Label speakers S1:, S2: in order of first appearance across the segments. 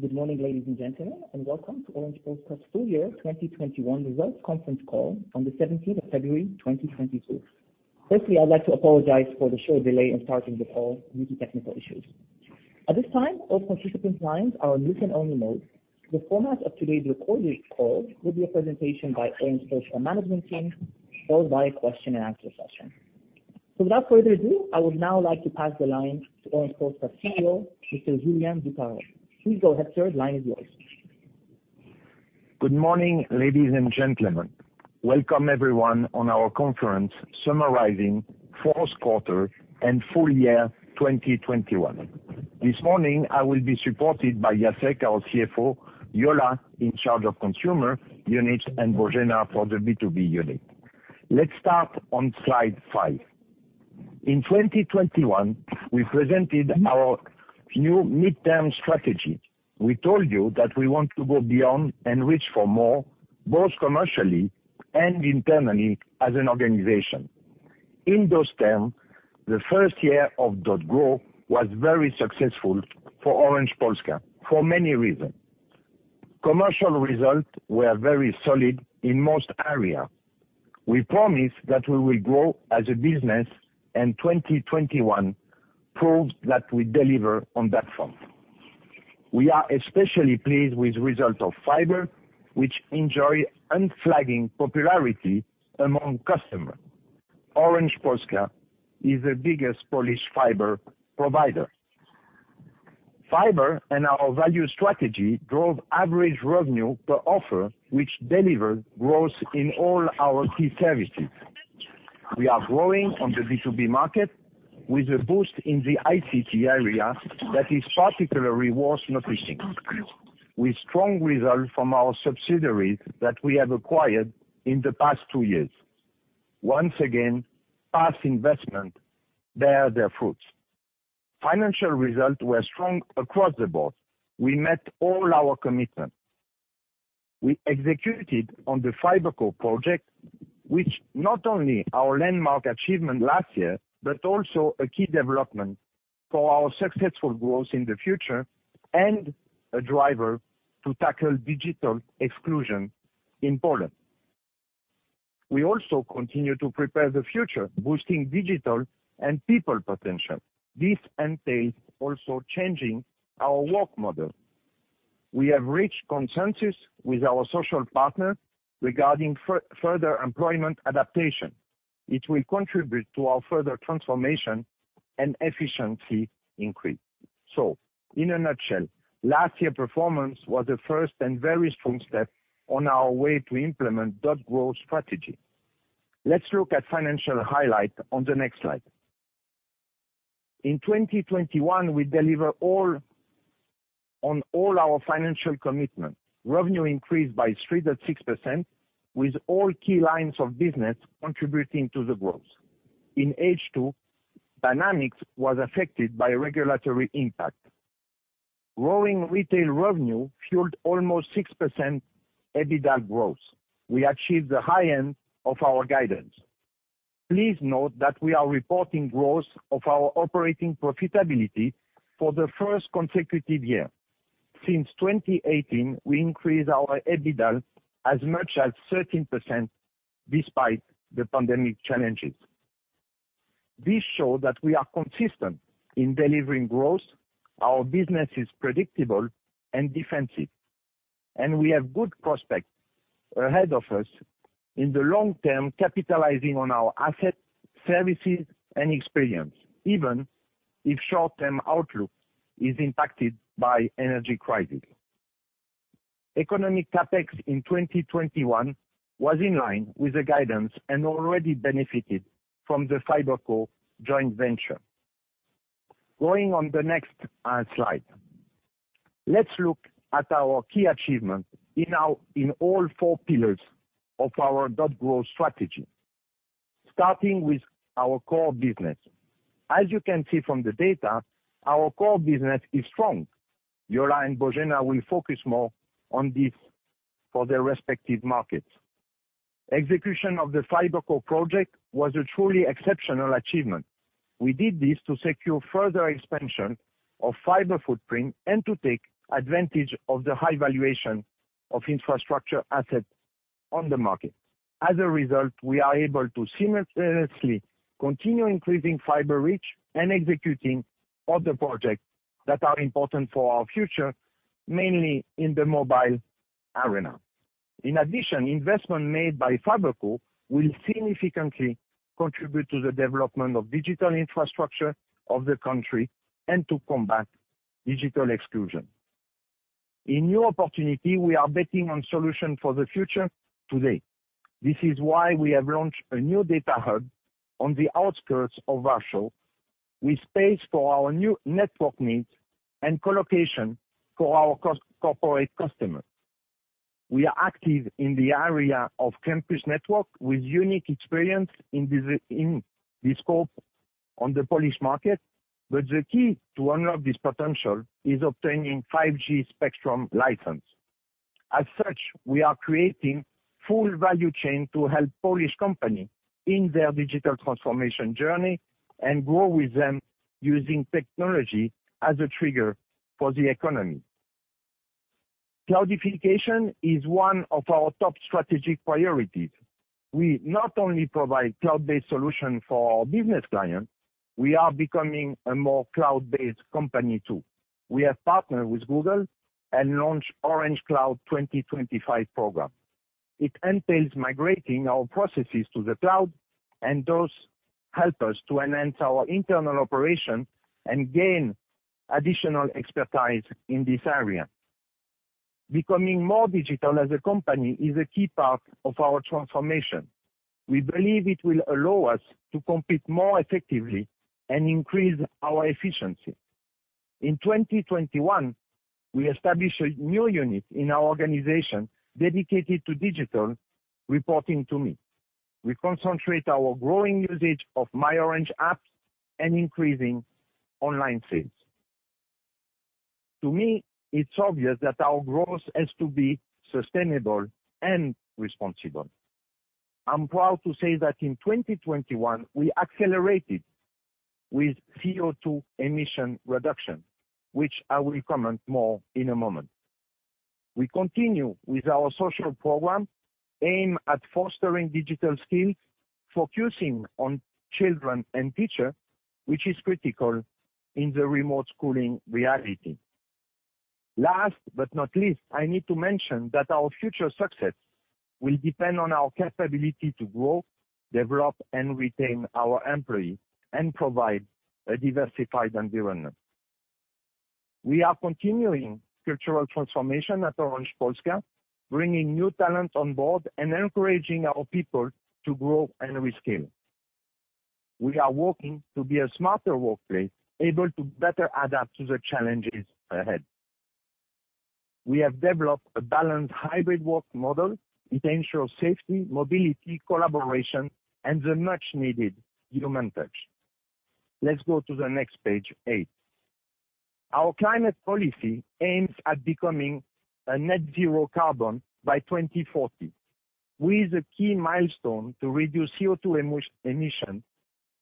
S1: Good morning, ladies and gentlemen, and welcome to Orange Polska's full year 2021 results conference call on the 17th of February 2022. Firstly, I'd like to apologize for the short delay in starting the call due to technical issues. At this time, all participant lines are in listen-only mode. The format of today's recorded call will be a presentation by Orange Polska management team, followed by a question-and-answer session. Without further ado, I would now like to pass the line to Orange Polska CEO, Mr. Julien Ducarroz. Please go ahead, sir. The line is yours.
S2: Good morning, ladies and gentlemen. Welcome everyone to our conference summarizing fourth quarter and full year 2021. This morning, I will be supported by Jacek, our CFO, Jolanta in charge of consumer unit, and Bozena for the B2B unit. Let's start on slide 5. In 2021, we presented our new midterm strategy. We told you that we want to go beyond and reach for more, both commercially and internally as an organization. In those terms, the first year of .Grow was very successful for Orange Polska for many reasons. Commercial results were very solid in most areas. We promised that we will grow as a business, and 2021 proved that we deliver on that front. We are especially pleased with result of fiber, which enjoy unflagging popularity among customers. Orange Polska is the biggest Polish fiber provider. Fiber and our value strategy drove average revenue per offer, which delivered growth in all our key services. We are growing on the B2B market with a boost in the ICT area that is particularly worth noticing. With strong results from our subsidiaries that we have acquired in the past two years. Once again, past investment bear their fruits. Financial results were strong across the board. We met all our commitments. We executed on the FiberCo project, which not only our landmark achievement last year, but also a key development for our successful growth in the future and a driver to tackle digital exclusion in Poland. We also continue to prepare the future, boosting digital and people potential. This entails also changing our work model. We have reached consensus with our social partners regarding further employment adaptation. It will contribute to our further transformation and efficiency increase. In a nutshell, last year performance was the first and very strong step on our way to implement .Grow strategy. Let's look at financial highlight on the next slide. In 2021, we delivered on all our financial commitments. Revenue increased by 3.6%, with all key lines of business contributing to the growth. In H2, dynamics was affected by regulatory impact. Growing retail revenue fueled almost 6% EBITDA growth. We achieved the high end of our guidance. Please note that we are reporting growth of our operating profitability for the first consecutive year. Since 2018, we increased our EBITDA as much as 13% despite the pandemic challenges. This shows that we are consistent in delivering growth. Our business is predictable and defensive, and we have good prospects ahead of us in the long term, capitalizing on our assets, services, and experience, even if short-term outlook is impacted by energy crisis. Economic CapEx in 2021 was in line with the guidance and already benefited from the FiberCo joint venture. Going on the next slide. Let's look at our key achievement in all four pillars of our .Grow strategy, starting with our core business. As you can see from the data, our core business is strong. Jola and Bozena will focus more on this for their respective markets. Execution of the FiberCo project was a truly exceptional achievement. We did this to secure further expansion of fiber footprint and to take advantage of the high valuation of infrastructure assets on the market. As a result, we are able to seamlessly continue increasing fiber reach and executing other projects that are important for our future, mainly in the mobile arena. In addition, investment made by FiberCo will significantly contribute to the development of digital infrastructure of the country and to combat digital exclusion. In a new opportunity, we are betting on a solution for the future today. This is why we have launched a new data hub on the outskirts of Warsaw with space for our new network needs and colocation for our corporate customers. We are active in the area of campus network with unique experience in this scope on the Polish market, but the key to unlock this potential is obtaining 5G spectrum license. As such, we are creating full value chain to help Polish company in their digital transformation journey and grow with them using technology as a trigger for the economy. Cloudification is one of our top strategic priorities. We not only provide cloud-based solution for our business clients, we are becoming a more cloud-based company too. We have partnered with Google and launched Orange Cloud 2025 program. It entails migrating our processes to the cloud, and those help us to enhance our internal operation and gain additional expertise in this area. Becoming more digital as a company is a key part of our transformation. We believe it will allow us to compete more effectively and increase our efficiency. In 2021, we established a new unit in our organization dedicated to digital reporting to me. We concentrate our growing usage of My Orange apps and increasing online sales. To me, it's obvious that our growth has to be sustainable and responsible. I'm proud to say that in 2021, we accelerated with CO2 emission reduction, which I will comment more in a moment. We continue with our social program aimed at fostering digital skills, focusing on children and teachers, which is critical in the remote schooling reality. Last but not least, I need to mention that our future success will depend on our capability to grow, develop, and retain our employees and provide a diversified environment. We are continuing cultural transformation at Orange Polska, bringing new talent on board and encouraging our people to grow and reskill. We are working to be a smarter workplace, able to better adapt to the challenges ahead. We have developed a balanced hybrid work model. It ensures safety, mobility, collaboration, and the much needed human touch. Let's go to the next page eight. Our climate policy aims at becoming a net zero carbon by 2040. With a key milestone to reduce CO2 emission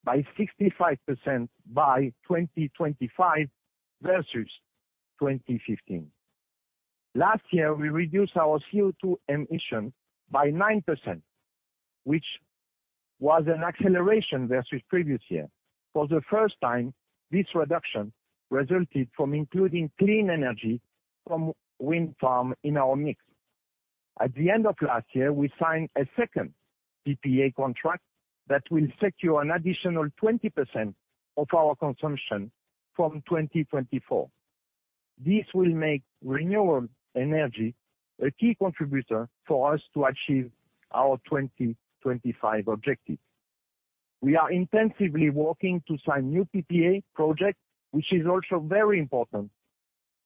S2: by 65% by 2025 versus 2015. Last year, we reduced our CO2 emission by 9%, which was an acceleration versus previous year. For the first time, this reduction resulted from including clean energy from wind farm in our mix. At the end of last year, we signed a second PPA contract that will secure an additional 20% of our consumption from 2024. This will make renewable energy a key contributor for us to achieve our 2025 objective. We are intensively working to sign new PPA project, which is also very important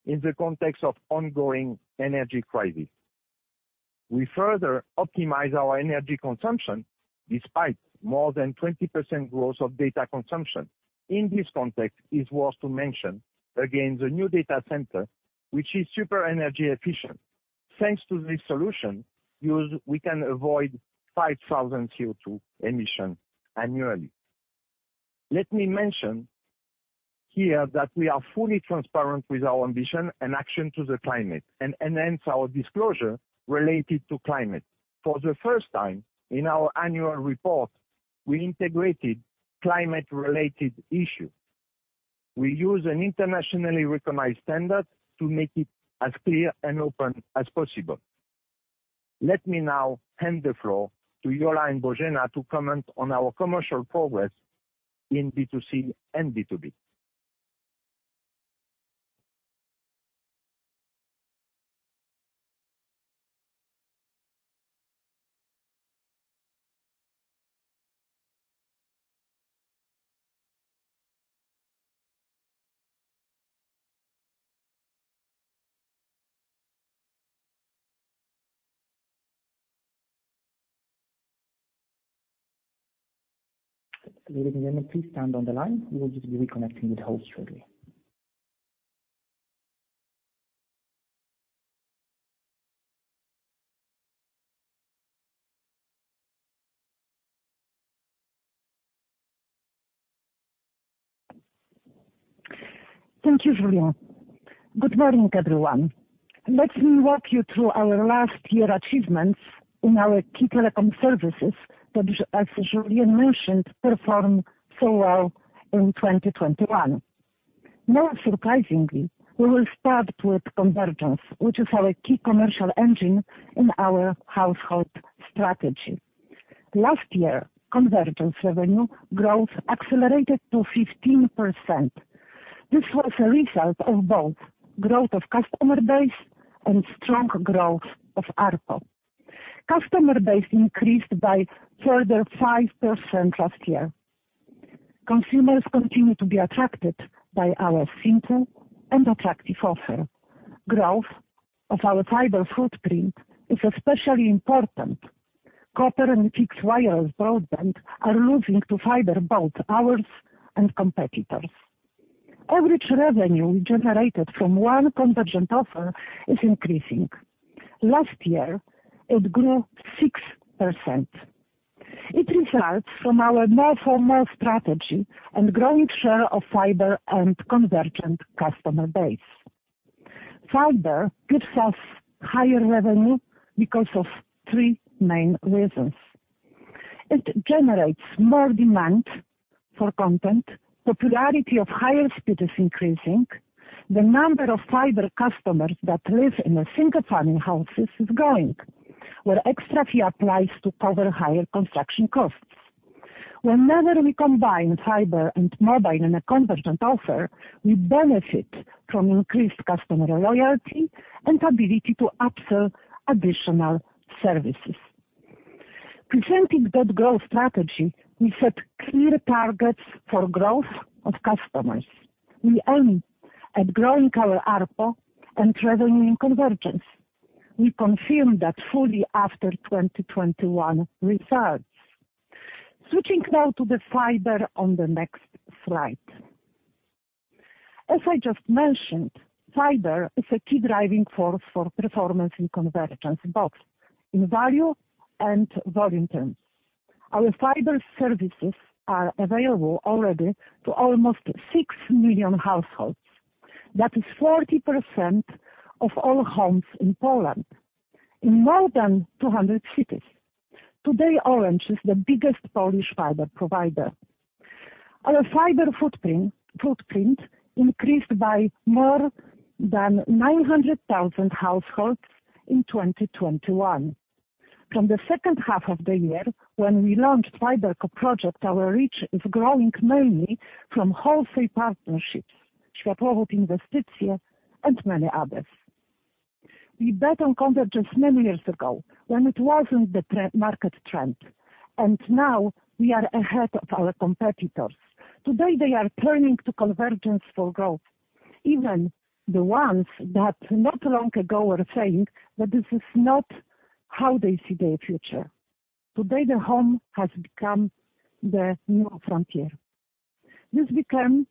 S2: in the context of ongoing energy crisis. We further optimize our energy consumption despite more than 20% growth of data consumption. In this context it is worth to mention again the new data center which is super energy efficient. Thanks to this solution, we can avoid 5,000 CO2 emission annually. Let me mention here that we are fully transparent with our ambition and action to the climate and enhance our disclosure related to climate. For the first time in our annual report, we integrated climate-related issue. We use an internationally recognized standard to make it as clear and open as possible. Let me now hand the floor to Jolanta and Bozena to comment on our commercial progress in B2C and B2B.
S1: Ladies and gentlemen, please stand on the line. You will just be reconnecting with the host shortly.
S3: Thank you, Julien. Good morning, everyone. Let me walk you through our last year achievements in our key telecom services that, as Julien mentioned, performed so well in 2021. Not surprisingly, we will start with convergence, which is our key commercial engine in our household strategy. Last year, convergence revenue growth accelerated to 15%. This was a result of both growth of customer base and strong growth of ARPU. Customer base increased by further 5% last year. Consumers continue to be attracted by our simple and attractive offer. Growth of our fiber footprint is especially important. Copper and fixed wireless broadband are losing to fiber, both ours and competitors. Average revenue generated from one convergent offer is increasing. Last year, it grew 6%. It results from our More for More strategy and growing share of fiber and convergent customer base. Fiber gives us higher revenue because of three main reasons. It generates more demand for content. Popularity of higher speed is increasing. The number of fiber customers that live in single family houses is growing, where extra fee applies to cover higher construction costs. Whenever we combine fiber and mobile in a convergent offer, we benefit from increased customer loyalty and ability to upsell additional services. Presenting that growth strategy, we set clear targets for growth of customers. We aim at growing our ARPU and revenue in convergence. We confirm that fully after 2021 results. Switching now to the fiber on the next slide. As I just mentioned, fiber is a key driving force for performance in convergence, both in value and volume terms. Our fiber services are available already to almost six million households. That is 40% of all homes in Poland in more than 200 cities. Today, Orange is the biggest Polish fiber provider. Our fiber footprint increased by more than 900,000 households in 2021. From the second half of the year when we launched FiberCo project, our reach is growing mainly from wholesale partnerships, Światłowód Inwestycje, and many others. We bet on convergence many years ago when it wasn't the market trend, and now we are ahead of our competitors. Today, they are turning to convergence for growth. Even the ones that not long ago were saying that this is not how they see their future. Today, the home has become the new frontier. This became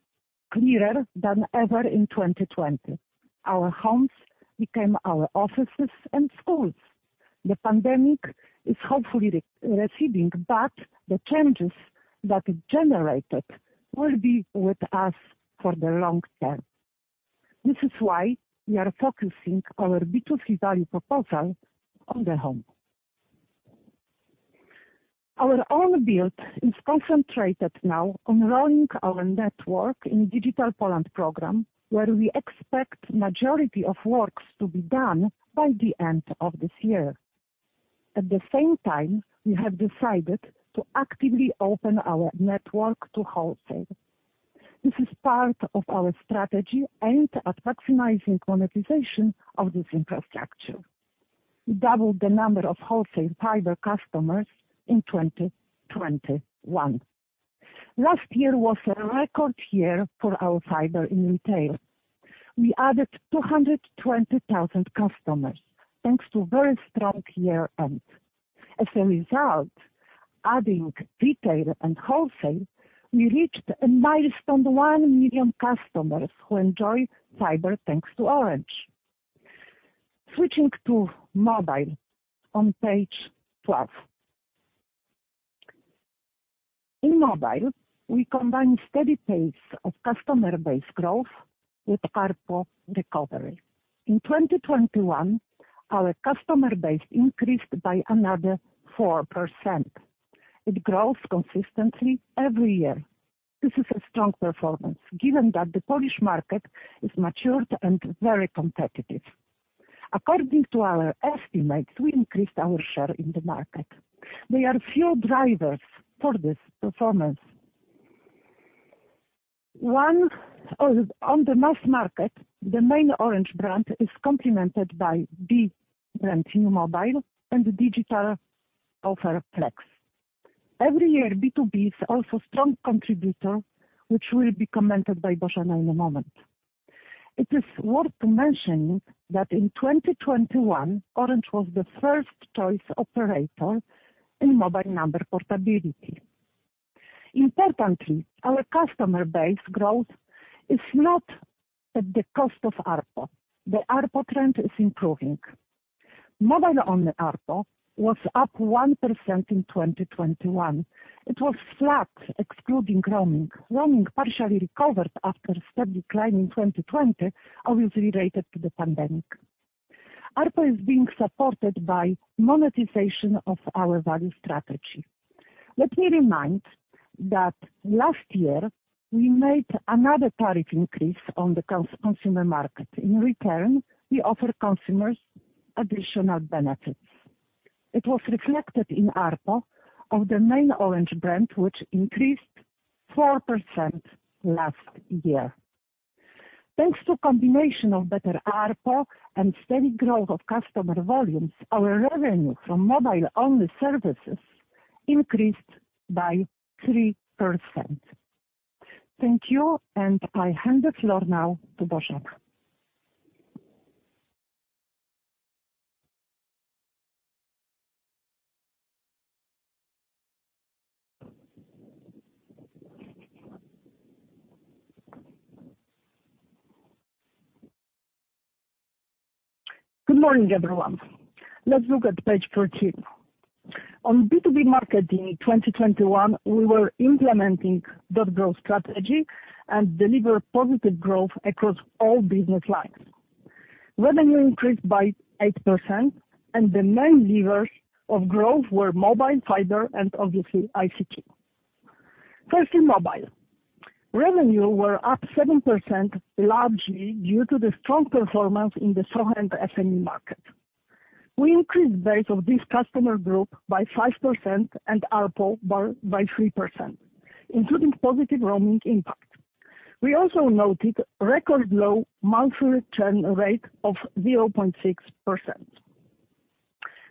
S3: clearer than ever in 2020. Our homes became our offices and schools. The pandemic is hopefully receiving, but the changes that it generated will be with us for the long term. This is why we are focusing our B2C value proposal on the home. Our own build is concentrated now on rolling our network in Digital Poland program, where we expect majority of works to be done by the end of this year. At the same time, we have decided to actively open our network to wholesale. This is part of our strategy aimed at maximizing monetization of this infrastructure. We doubled the number of wholesale fiber customers in 2021. Last year was a record year for our fiber in retail. We added 220,000 customers, thanks to very strong year end. As a result, adding retail and wholesale, we reached a milestone 1 million customers who enjoy fiber, thanks to Orange. Switching to mobile on page twelve. In mobile, we combine steady pace of customer base growth with ARPU recovery. In 2021, our customer base increased by another 4%. It grows consistently every year. This is a strong performance given that the Polish market is matured and very competitive. According to our estimates, we increased our share in the market. There are few drivers for this performance. On the mass market, the main Orange brand is complemented by B-brand nju mobile and digital offer Flex. Every year, B2B is also strong contributor, which will be commented by Bożena in a moment. It is worth mentioning that in 2021, Orange was the first choice operator in mobile number portability. Importantly, our customer base growth is not at the cost of ARPU. The ARPU trend is improving. Mobile-only ARPU was up 1% in 2021. It was flat, excluding roaming. Roaming partially recovered after steady decline in 2020, obviously related to the pandemic. ARPU is being supported by monetization of our value strategy. Let me remind that last year we made another tariff increase on the consumer market. In return, we offer consumers additional benefits. It was reflected in ARPU of the main Orange brand, which increased 4% last year. Thanks to combination of better ARPU and steady growth of customer volumes, our revenue from mobile-only services increased by 3%. Thank you, and I hand the floor now to Bożena.
S4: Good morning, everyone. Let's look at page 13. On B2B market in 2021, we were implementing that growth strategy and deliver positive growth across all business lines. Revenue increased by 8% and the main levers of growth were mobile fiber and obviously ICT. First, in mobile. Revenue were up 7%, largely due to the strong performance in the small and SME market. We increased base of this customer group by 5% and ARPU by 3%, including positive roaming impact. We also noted record low monthly churn rate of 0.6%.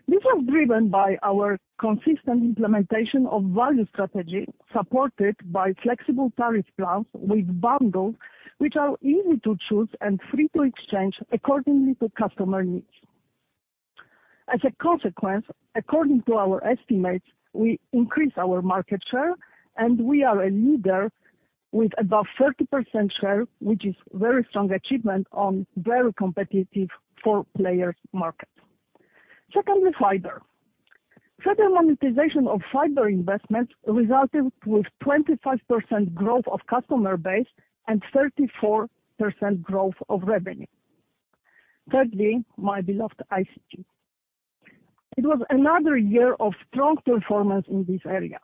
S4: This was driven by our consistent implementation of value strategy, supported by flexible tariff plans with bundles which are easy to choose and free to exchange accordingly to customer needs. As a consequence, according to our estimates, we increase our market share and we are a leader with above 30% share, which is very strong achievement on very competitive four players market. Secondly, fiber. Further monetization of fiber investments resulted with 25% growth of customer base and 34% growth of revenue. Thirdly, my beloved ICT. It was another year of strong performance in this area.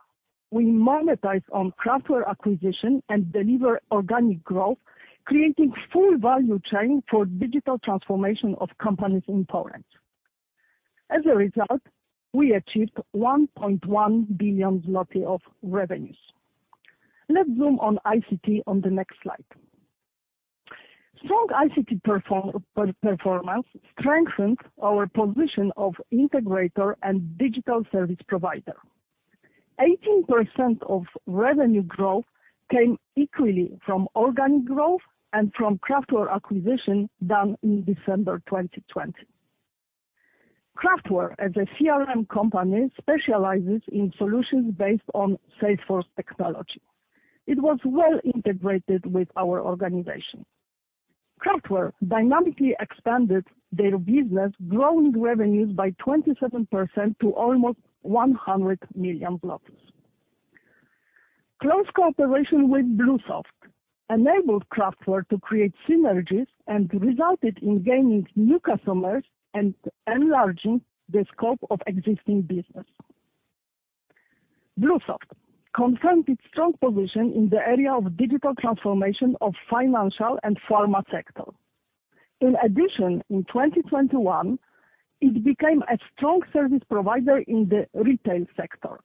S4: We monetize on Craftware acquisition and deliver organic growth, creating full value chain for digital transformation of companies in Poland. As a result, we achieved 1.1 billion zloty of revenues. Let's zoom on ICT on the next slide. Strong ICT performance strengthened our position of integrator and digital service provider. 18% of revenue growth came equally from organic growth and from Craftware acquisition done in December 2020. Craftware, as a CRM company, specializes in solutions based on Salesforce technology. It was well integrated with our organization. Craftware dynamically expanded their business, growing revenues by 27% to almost 100 million. Close cooperation with BlueSoft enabled Craftware to create synergies and resulted in gaining new customers and enlarging the scope of existing business. BlueSoft confirmed its strong position in the area of digital transformation of financial and pharma sector. In addition, in 2021, it became a strong service provider in the retail sector.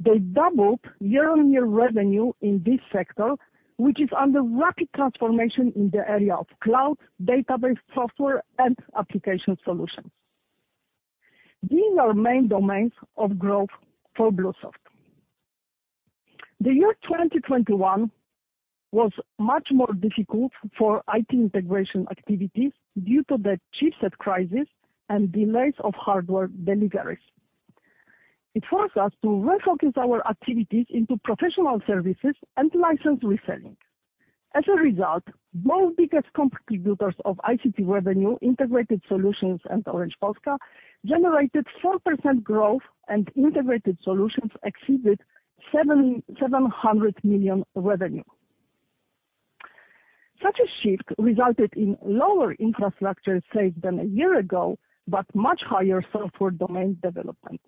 S4: They doubled year-on-year revenue in this sector, which is under rapid transformation in the area of cloud, database, software and application solutions. These are main domains of growth for BlueSoft. The year 2021 was much more difficult for IT integration activities due to the chipset crisis and delays of hardware deliveries. It forced us to refocus our activities into professional services and license reselling. As a result, both biggest contributors of ICT revenue, Integrated Solutions and Orange Polska, generated 4% growth, and Integrated Solutions exceeded 700 million revenue. Such a shift resulted in lower infrastructure sales than a year ago, but much higher software domain development.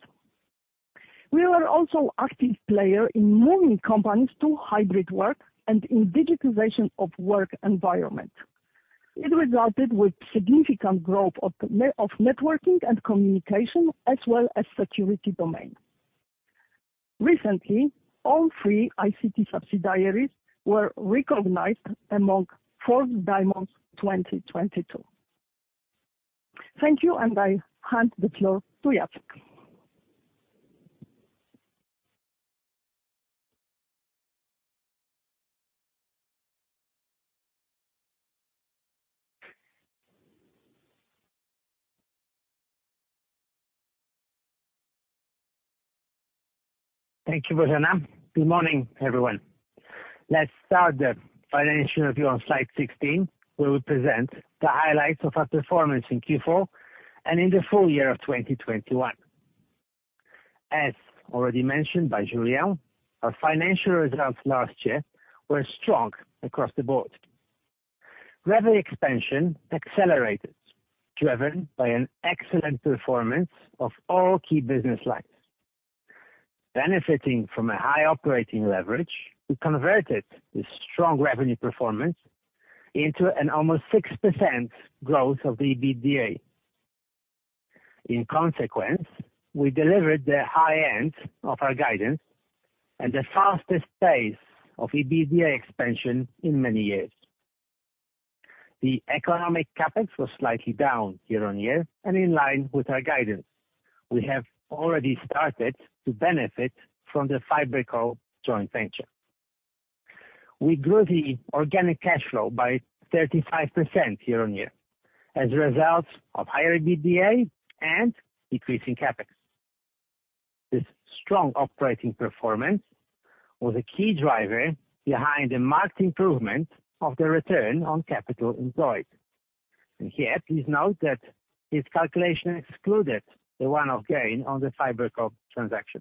S4: We were also active player in moving companies to hybrid work and in digitization of work environment. It resulted with significant growth of networking and communication as well as security domain. Recently, all three ICT subsidiaries were recognized among Forbes Diamonds 2022. Thank you, and I hand the floor to Jacek.
S5: Thank you, Bożena. Good morning, everyone. Let's start the financial review on slide 16, where we present the highlights of our performance in Q4 and in the full year of 2021. As already mentioned by Julien, our financial results last year were strong across the board. Revenue expansion accelerated, driven by an excellent performance of all key business lines. Benefiting from a high operating leverage, we converted this strong revenue performance into an almost 6% growth of the EBITDA. In consequence, we delivered the high end of our guidance and the fastest pace of EBITDA expansion in many years. The economic CapEx was slightly down year-on-year and in line with our guidance. We have already started to benefit from the FiberCo joint venture. We grew the organic cash flow by 35% year-on-year as a result of higher EBITDA and decreasing CapEx. This strong operating performance was a key driver behind the marked improvement of the return on capital employed. Here, please note that this calculation excluded the one-off gain on the FiberCo transaction.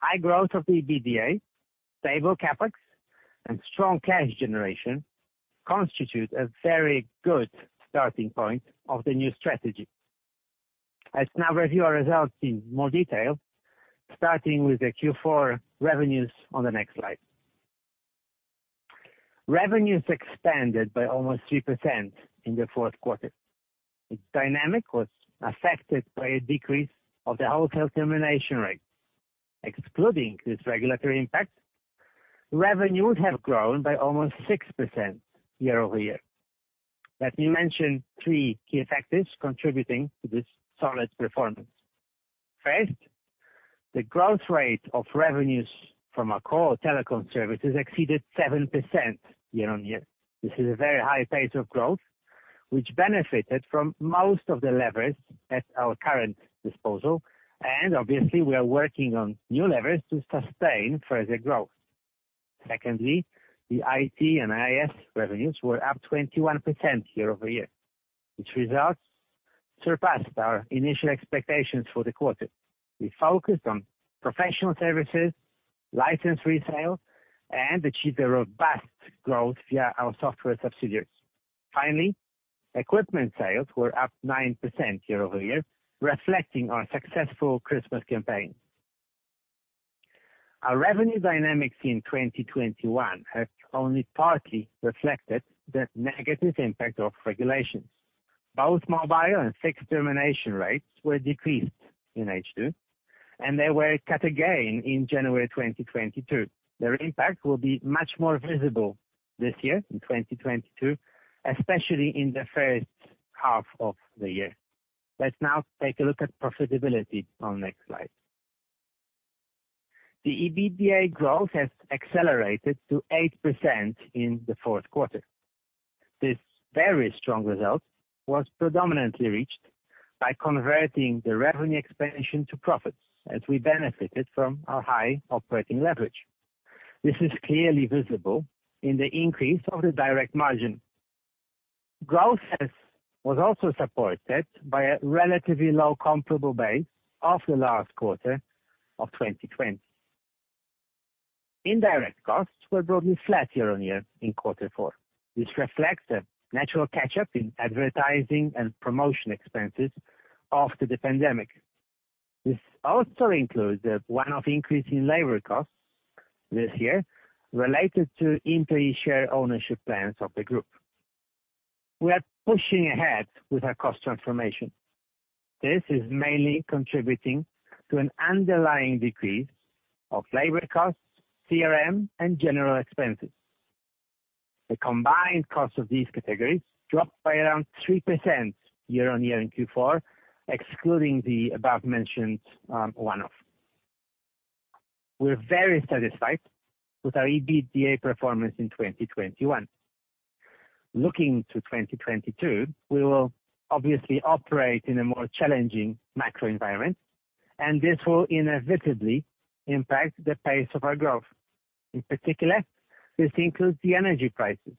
S5: High growth of the EBITDA, stable CapEx, and strong cash generation constitute a very good starting point of the new strategy. Let's now review our results in more detail, starting with the Q4 revenues on the next slide. Revenues expanded by almost 3% in the fourth quarter. Its dynamic was affected by a decrease of the wholesale termination rate. Excluding this regulatory impact, revenues have grown by almost 6% year-over-year. Let me mention three key factors contributing to this solid performance. First, the growth rate of revenues from our core telecom services exceeded 7% year-over-year. This is a very high pace of growth, which benefited from most of the levers at our current disposal, and obviously, we are working on new levers to sustain further growth. Secondly, the IT and IS revenues were up 21% year-over-year, which results surpassed our initial expectations for the quarter. We focused on professional services, license resale, and achieved a robust growth via our software subsidiaries. Finally, equipment sales were up 9% year-over-year, reflecting our successful Christmas campaign. Our revenue dynamics in 2021 have only partly reflected the negative impact of regulations. Both mobile and fixed termination rates were decreased in H2, and they were cut again in January 2022. Their impact will be much more visible this year in 2022, especially in the first half of the year. Let's now take a look at profitability on the next slide. The EBITDA growth has accelerated to 8% in the fourth quarter. This very strong result was predominantly reached by converting the revenue expansion to profits as we benefited from our high operating leverage. This is clearly visible in the increase of the direct margin. Growth was also supported by a relatively low comparable base of the last quarter of 2020. Indirect costs were broadly flat year-on-year in quarter four, which reflects a natural catch-up in advertising and promotion expenses after the pandemic. This also includes the one-off increase in labor costs this year related to employee share ownership plans of the group. We are pushing ahead with our cost transformation. This is mainly contributing to an underlying decrease of labor costs, CRM, and general expenses. The combined cost of these categories dropped by around 3% year-on-year in Q4, excluding the above-mentioned one-off. We're very satisfied with our EBITDA performance in 2021. Looking to 2022, we will obviously operate in a more challenging macro environment, and this will inevitably impact the pace of our growth. In particular, this includes the energy prices.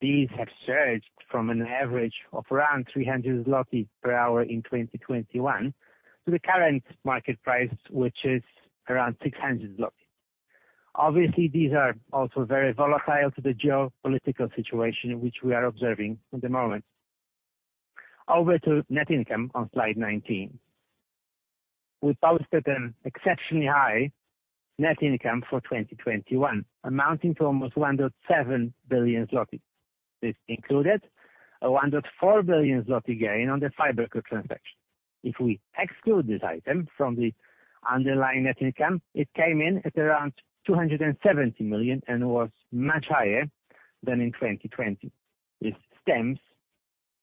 S5: These have surged from an average of around 300 zloty per MWh in 2021 to the current market price, which is around 600 PLN per MWh. Obviously, these are also very volatile to the geopolitical situation which we are observing at the moment. Over to net income on slide 19. We posted an exceptionally high net income for 2021, amounting to almost 1.7 billion zloty. This included a 1.4 billion zloty gain on the FiberCo transaction. If we exclude this item from the underlying net income, it came in at around 270 million and was much higher than in 2020. This stems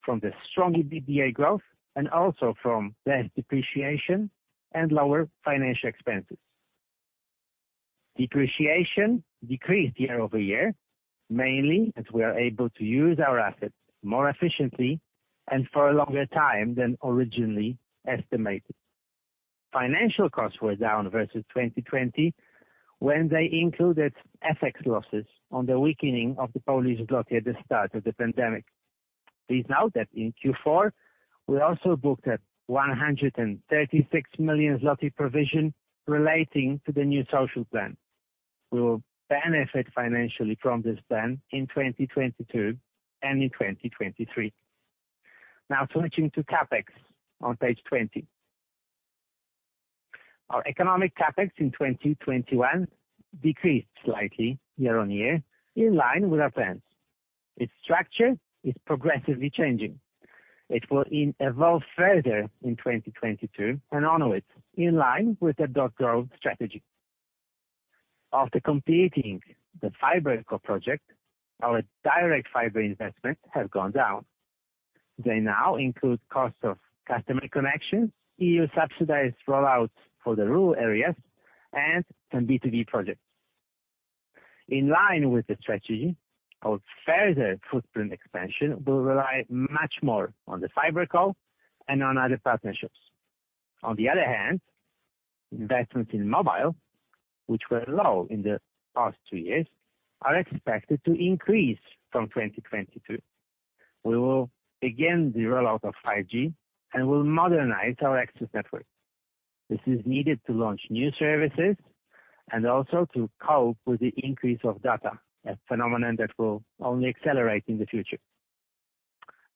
S5: from the strong EBITDA growth and also from less depreciation and lower financial expenses. Depreciation decreased year-over-year, mainly as we are able to use our assets more efficiently and for a longer time than originally estimated. Financial costs were down versus 2020 when they included FX losses on the weakening of the Polish zloty at the start of the pandemic. Please note that in Q4, we also booked a 136 million zloty provision relating to the new social plan. We will benefit financially from this plan in 2022 and in 2023. Now switching to CapEx on page 20. Our economic CapEx in 2021 decreased slightly year-over-year in line with our plans. Its structure is progressively changing. It will evolve further in 2022 and onwards in line with the .Grow strategy. After completing the FiberCo project, our direct fiber investment has gone down. They now include cost of customer connection, EU subsidized rollout for the rural areas and some B2B projects. In line with the strategy, our further footprint expansion will rely much more on the FiberCo and on other partnerships. On the other hand, investments in mobile, which were low in the past two years, are expected to increase from 2022. We will begin the rollout of 5G and will modernize our access network. This is needed to launch new services and also to cope with the increase of data, a phenomenon that will only accelerate in the future.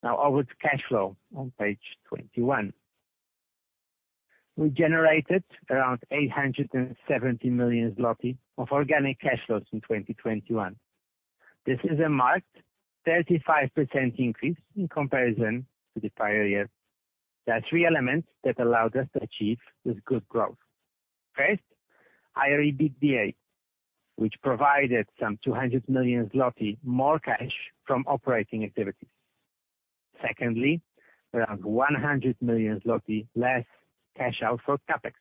S5: Now over to cash flow on page 21. We generated around 870 million zloty of organic cash flows in 2021. This is a marked 35% increase in comparison to the prior year. There are three elements that allowed us to achieve this good growth. First, higher EBITDA, which provided some 200 million zloty more cash from operating activities. Secondly, around 100 million zloty less cash out for CapEx.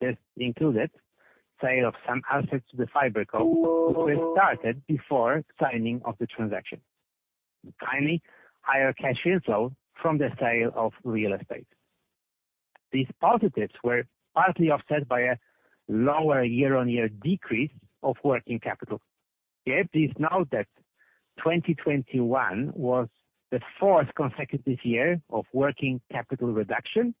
S5: This included sale of some assets to the FiberCo which we started before signing of the transaction. Finally, higher cash inflow from the sale of real estate. These positives were partly offset by a lower year-on-year decrease of working capital. Please note that 2021 was the fourth consecutive year of working capital reduction,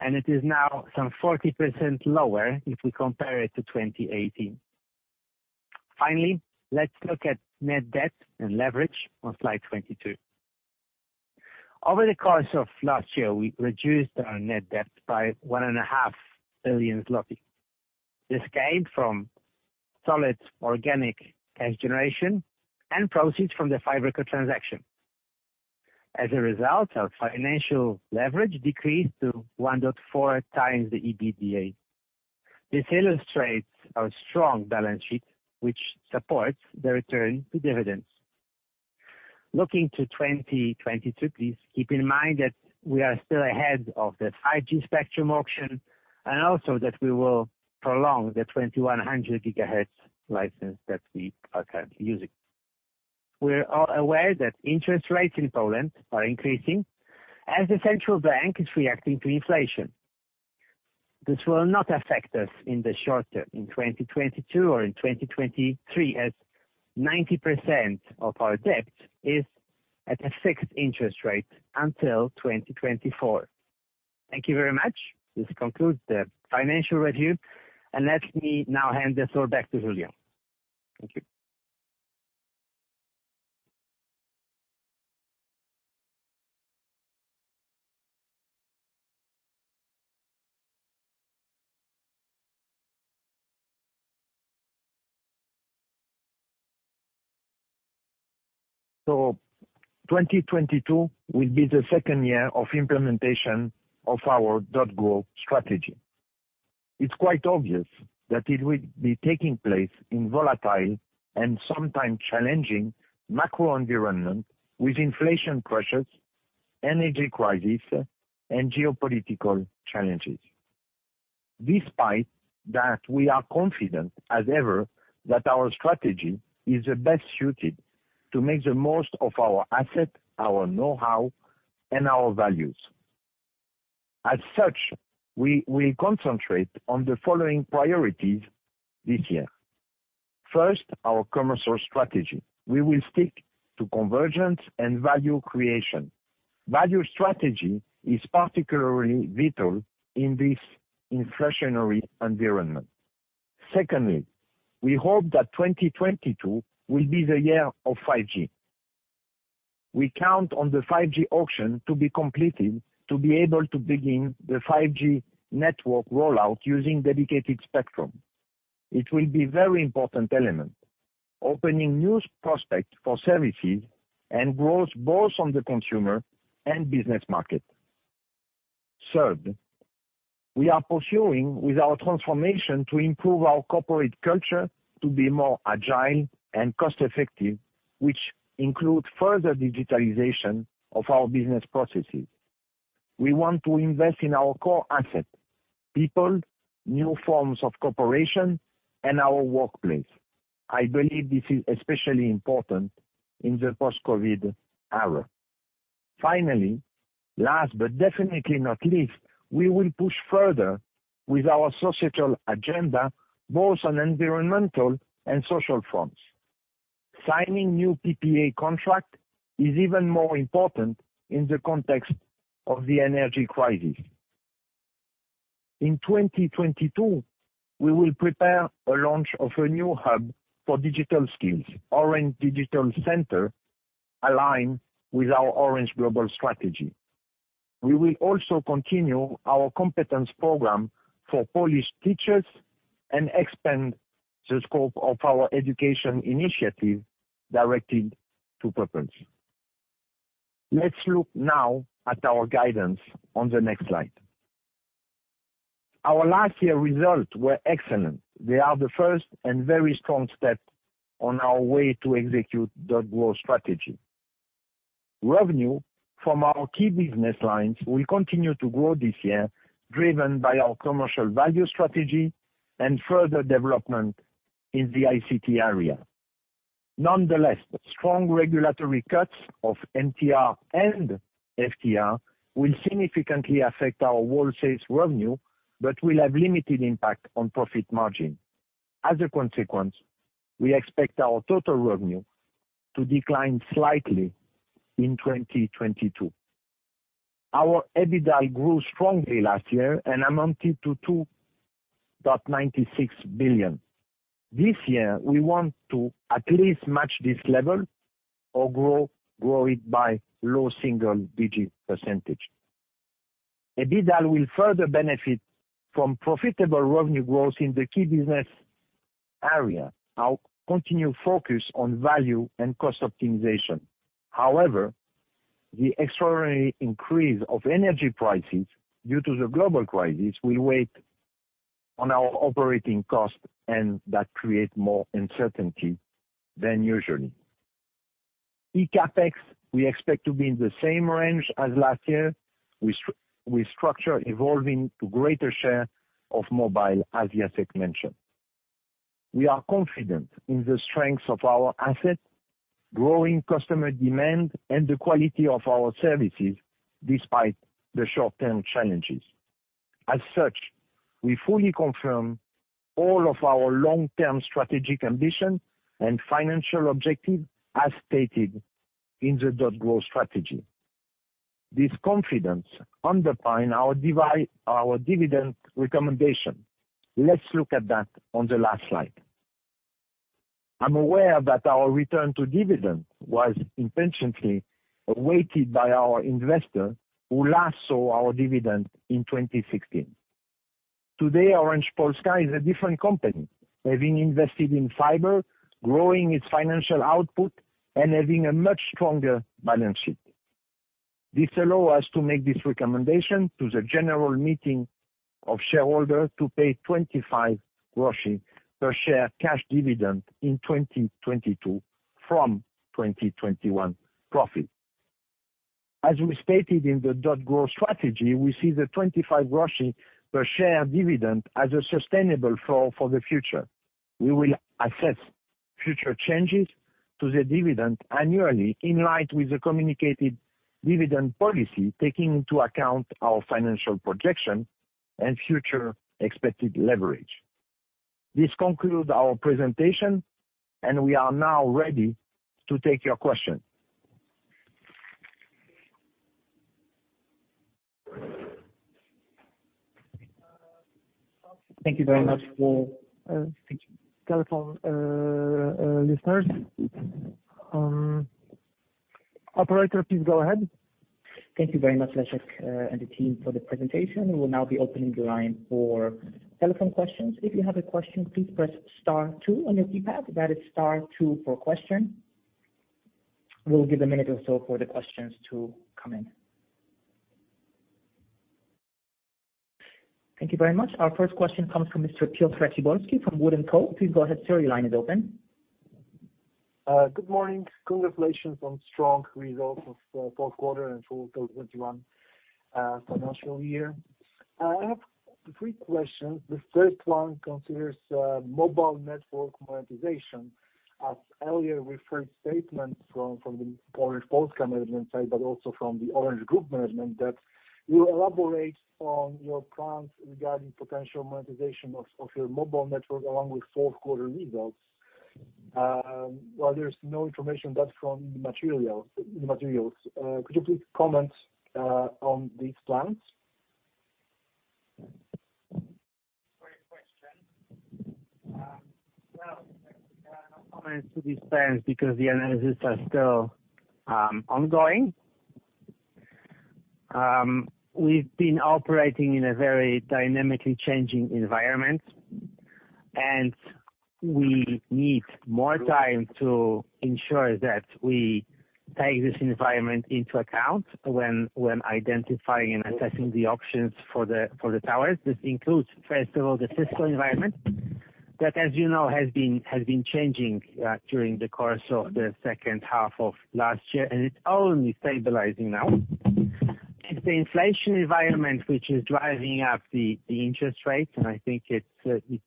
S5: and it is now some 40% lower if we compare it to 2018. Finally, let's look at net debt and leverage on slide 22. Over the course of last year, we reduced our net debt by 1.5 billion zloty. This came from solid organic cash generation and proceeds from the FiberCo transaction. As a result, our financial leverage decreased to 1.4x EBITDA. This illustrates our strong balance sheet, which supports the return to dividends. Looking to 2022, please keep in mind that we are still ahead of the 5G spectrum auction and also that we will prolong the 2100 MHz license that we are currently using. We are all aware that interest rates in Poland are increasing as the central bank is reacting to inflation. This will not affect us in the short term, in 2022 or in 2023, as 90% of our debt is at a fixed interest rate until 2024. Thank you very much. This concludes the financial review. Let me now hand this over back to Julien. Thank you.
S2: 2022 will be the second year of implementation of our .Grow strategy. It's quite obvious that it will be taking place in volatile and sometimes challenging macro environment with inflation pressures, energy crisis, and geopolitical challenges. Despite that, we are confident as ever that our strategy is the best suited to make the most of our asset, our know-how, and our values. As such, we will concentrate on the following priorities this year. First, our commercial strategy. We will stick to convergence and value creation. Value strategy is particularly vital in this inflationary environment. Secondly, we hope that 2022 will be the year of 5G. We count on the 5G auction to be completed to be able to begin the 5G network rollout using dedicated spectrum. It will be very important element, opening new prospects for services and growth, both on the consumer and business market. Third, we are pursuing with our transformation to improve our corporate culture to be more agile and cost effective, which include further digitalization of our business processes. We want to invest in our core asset: people, new forms of cooperation, and our workplace. I believe this is especially important in the post-Covid era. Finally, last but definitely not least, we will push further with our societal agenda, both on environmental and social fronts. Signing new PPA contract is even more important in the context of the energy crisis. In 2022, we will prepare a launch of a new hub for digital skills, Orange Digital Center, aligned with our Orange Global strategy. We will also continue our competence program for Polish teachers and expand the scope of our education initiative directed to purpose. Let's look now at our guidance on the next slide. Our last year results were excellent. They are the first and very strong step on our way to execute the growth strategy. Revenue from our key business lines will continue to grow this year, driven by our commercial value strategy and further development in the ICT area. Nonetheless, strong regulatory cuts of NTR and FTR will significantly affect our wholesale revenue, but will have limited impact on profit margin. As a consequence, we expect our total revenue to decline slightly in 2022. Our EBITDA grew strongly last year and amounted to 2.96 billion. This year we want to at least match this level or grow it by low single-digit percentage. EBITDA will further benefit from profitable revenue growth in the key business area, our continued focus on value and cost optimization. However, the extraordinary increase of energy prices due to the global crisis will weigh on our operating costs, and that creates more uncertainty than usual. CapEx we expect to be in the same range as last year. We structure evolving to greater share of mobile as Jacek mentioned. We are confident in the strengths of our assets, growing customer demand and the quality of our services despite the short-term challenges. As such, we fully confirm all of our long-term strategic ambition and financial objective as stated in the .Grow strategy. This confidence underpins our dividend recommendation. Let's look at that on the last slide. I'm aware that our return to dividend was long awaited by our investors who last saw our dividend in 2016. Today, Orange Polska is a different company, having invested in fiber, growing its financial output and having a much stronger balance sheet. This allows us to make this recommendation to the general meeting of shareholders to pay 25 groszy per share cash dividend in 2022 from 2021 profit. As we stated in the .Grow strategy, we see the 25 groszy per share dividend as a sustainable flow for the future. We will assess future changes to the dividend annually in line with the communicated dividend policy, taking into account our financial projection and future expected leverage. This concludes our presentation and we are now ready to take your question.
S6: Thank you very much. Thank you, telephone listeners. Operator, please go ahead.
S1: Thank you very much, Leszek, and the team for the presentation. We will now be opening the line for telephone questions. If you have a question, please press star two on your keypad. That is star two for question. We'll give a minute or so for the questions to come in. Thank you very much. Our first question comes from Mr. Piotr Raciborski from WOOD & Company. Please go ahead, sir. Your line is open.
S7: Good morning. Congratulations on strong results of fourth quarter and full 2021 financial year. I have three questions. The first one considers mobile network monetization. As per the earlier statement from the Orange Polska management side, but also from the Orange Group management that you elaborate on your plans regarding potential monetization of your mobile network along with fourth quarter results. While there's no information in the materials, could you please comment on these plans?
S5: Great question. Well, comments to these plans because the analysis are still ongoing. We've been operating in a very dynamically changing environment, and we need more time to ensure that we take this environment into account when identifying and assessing the options for the towers. This includes, first of all, the fiscal environment that, as you know, has been changing during the course of the second half of last year, and it's only stabilizing now. It's the inflation environment which is driving up the interest rates, and I think it's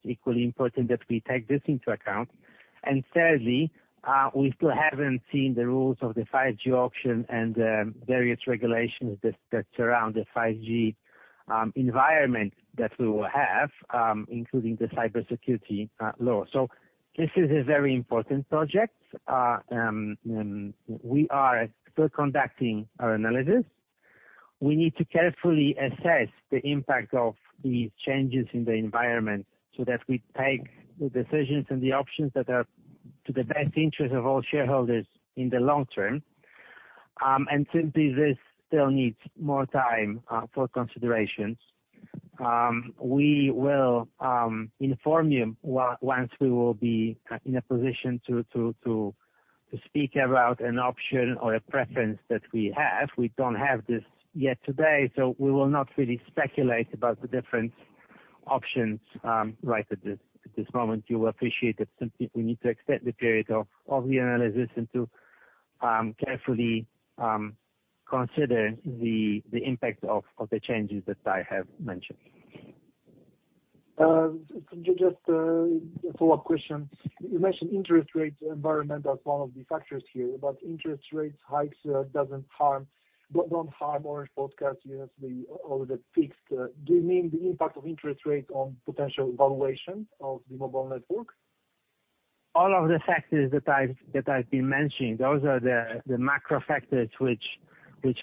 S5: equally important that we take this into account. Thirdly, we still haven't seen the rules of the 5G auction and various regulations that surround the 5G environment that we will have, including the cybersecurity law. This is a very important project. We are still conducting our analysis. We need to carefully assess the impact of these changes in the environment so that we take the decisions and the options that are to the best interest of all shareholders in the long term. Since this still needs more time for considerations, we will inform you once we will be in a position to. To speak about an option or a preference that we have. We don't have this yet today, so we will not really speculate about the different options, right at this moment. You will appreciate that sometimes we need to extend the period of the analysis and to carefully consider the impact of the changes that I have mentioned.
S7: Just a follow-up question. You mentioned interest rate environment as one of the factors here, but interest rates don't harm Orange Polska, you have all the fixed. Do you mean the impact of interest rates on potential valuation of the mobile network?
S5: All of the factors that I've been mentioning, those are the macro factors which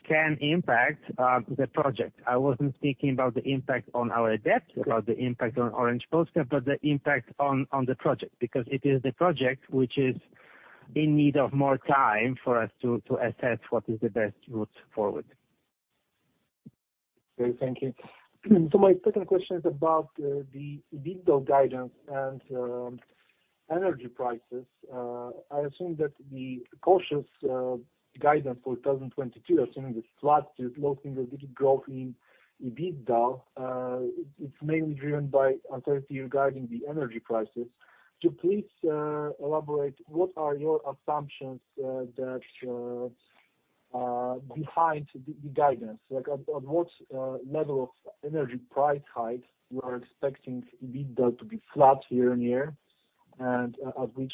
S5: can impact the project. I wasn't speaking about the impact on our debt, about the impact on Orange Polska, but the impact on the project, because it is the project which is in need of more time for us to assess what is the best route forward.
S7: Okay, thank you. My second question is about the EBITDA guidance and energy prices. I assume that the cautious guidance for 2022, assuming the flat to low single-digit growth in EBITDA, it's mainly driven by uncertainty regarding the energy prices. Could you please elaborate what are your assumptions that are behind the guidance? Like at what level of energy price hike you are expecting EBITDA to be flat year-on-year, and at which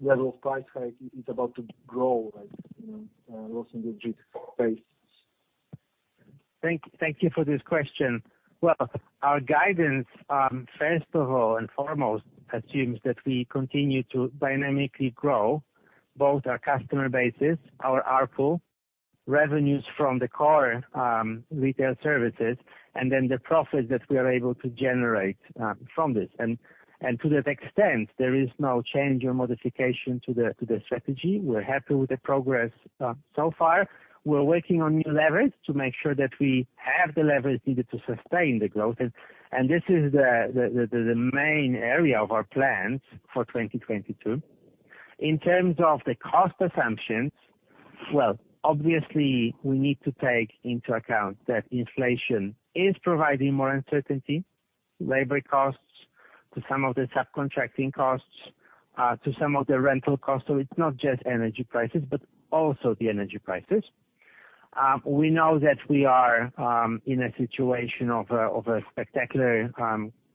S7: level of price hike it's about to grow, like, you know, low single digits base?
S5: Thank you for this question. Well, our guidance first of all and foremost assumes that we continue to dynamically grow both our customer bases, our ARPU, revenues from the core retail services, and then the profit that we are able to generate from this. To that extent, there is no change or modification to the strategy. We're happy with the progress so far. We're working on new levers to make sure that we have the levers needed to sustain the growth. This is the main area of our plans for 2022. In terms of the cost assumptions, well, obviously, we need to take into account that inflation is providing more uncertainty, labor costs to some of the subcontracting costs, to some of the rental costs. It's not just energy prices, but also the energy prices. We know that we are in a situation of a spectacular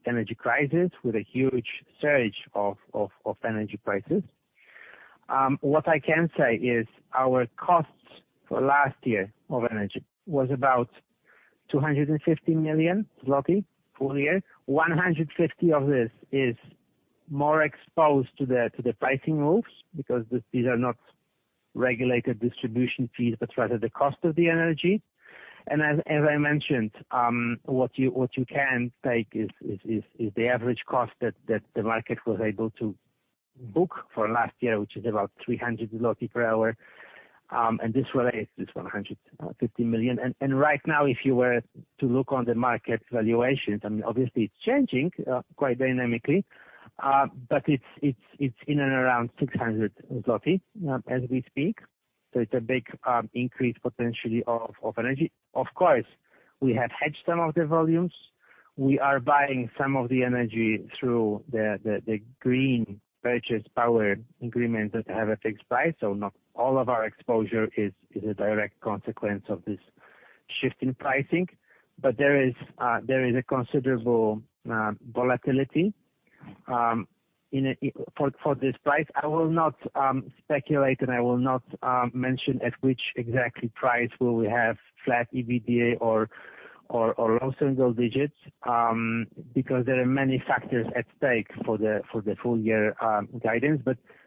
S5: energy crisis with a huge surge of energy prices. What I can say is our costs for last year of energy was about 250 million full year. 150 of this is more exposed to the pricing rules because these are not regulated distribution fees, but rather the cost of the energy. As I mentioned, what you can take is the average cost that the market was able to book for last year, which is about 300 zloty per MWh. This relates to 150 million. Right now, if you were to look on the market valuations, I mean, obviously it's changing quite dynamically. It's in and around 600 zloty as we speak. It's a big increase potentially of energy. Of course, we have hedged some of the volumes. We are buying some of the energy through the green power purchase agreement that have a fixed price. Not all of our exposure is a direct consequence of this shift in pricing. There is a considerable volatility for this price. I will not speculate, and I will not mention at which exactly price will we have flat EBITDA or low single digits because there are many factors at stake for the full year guidance.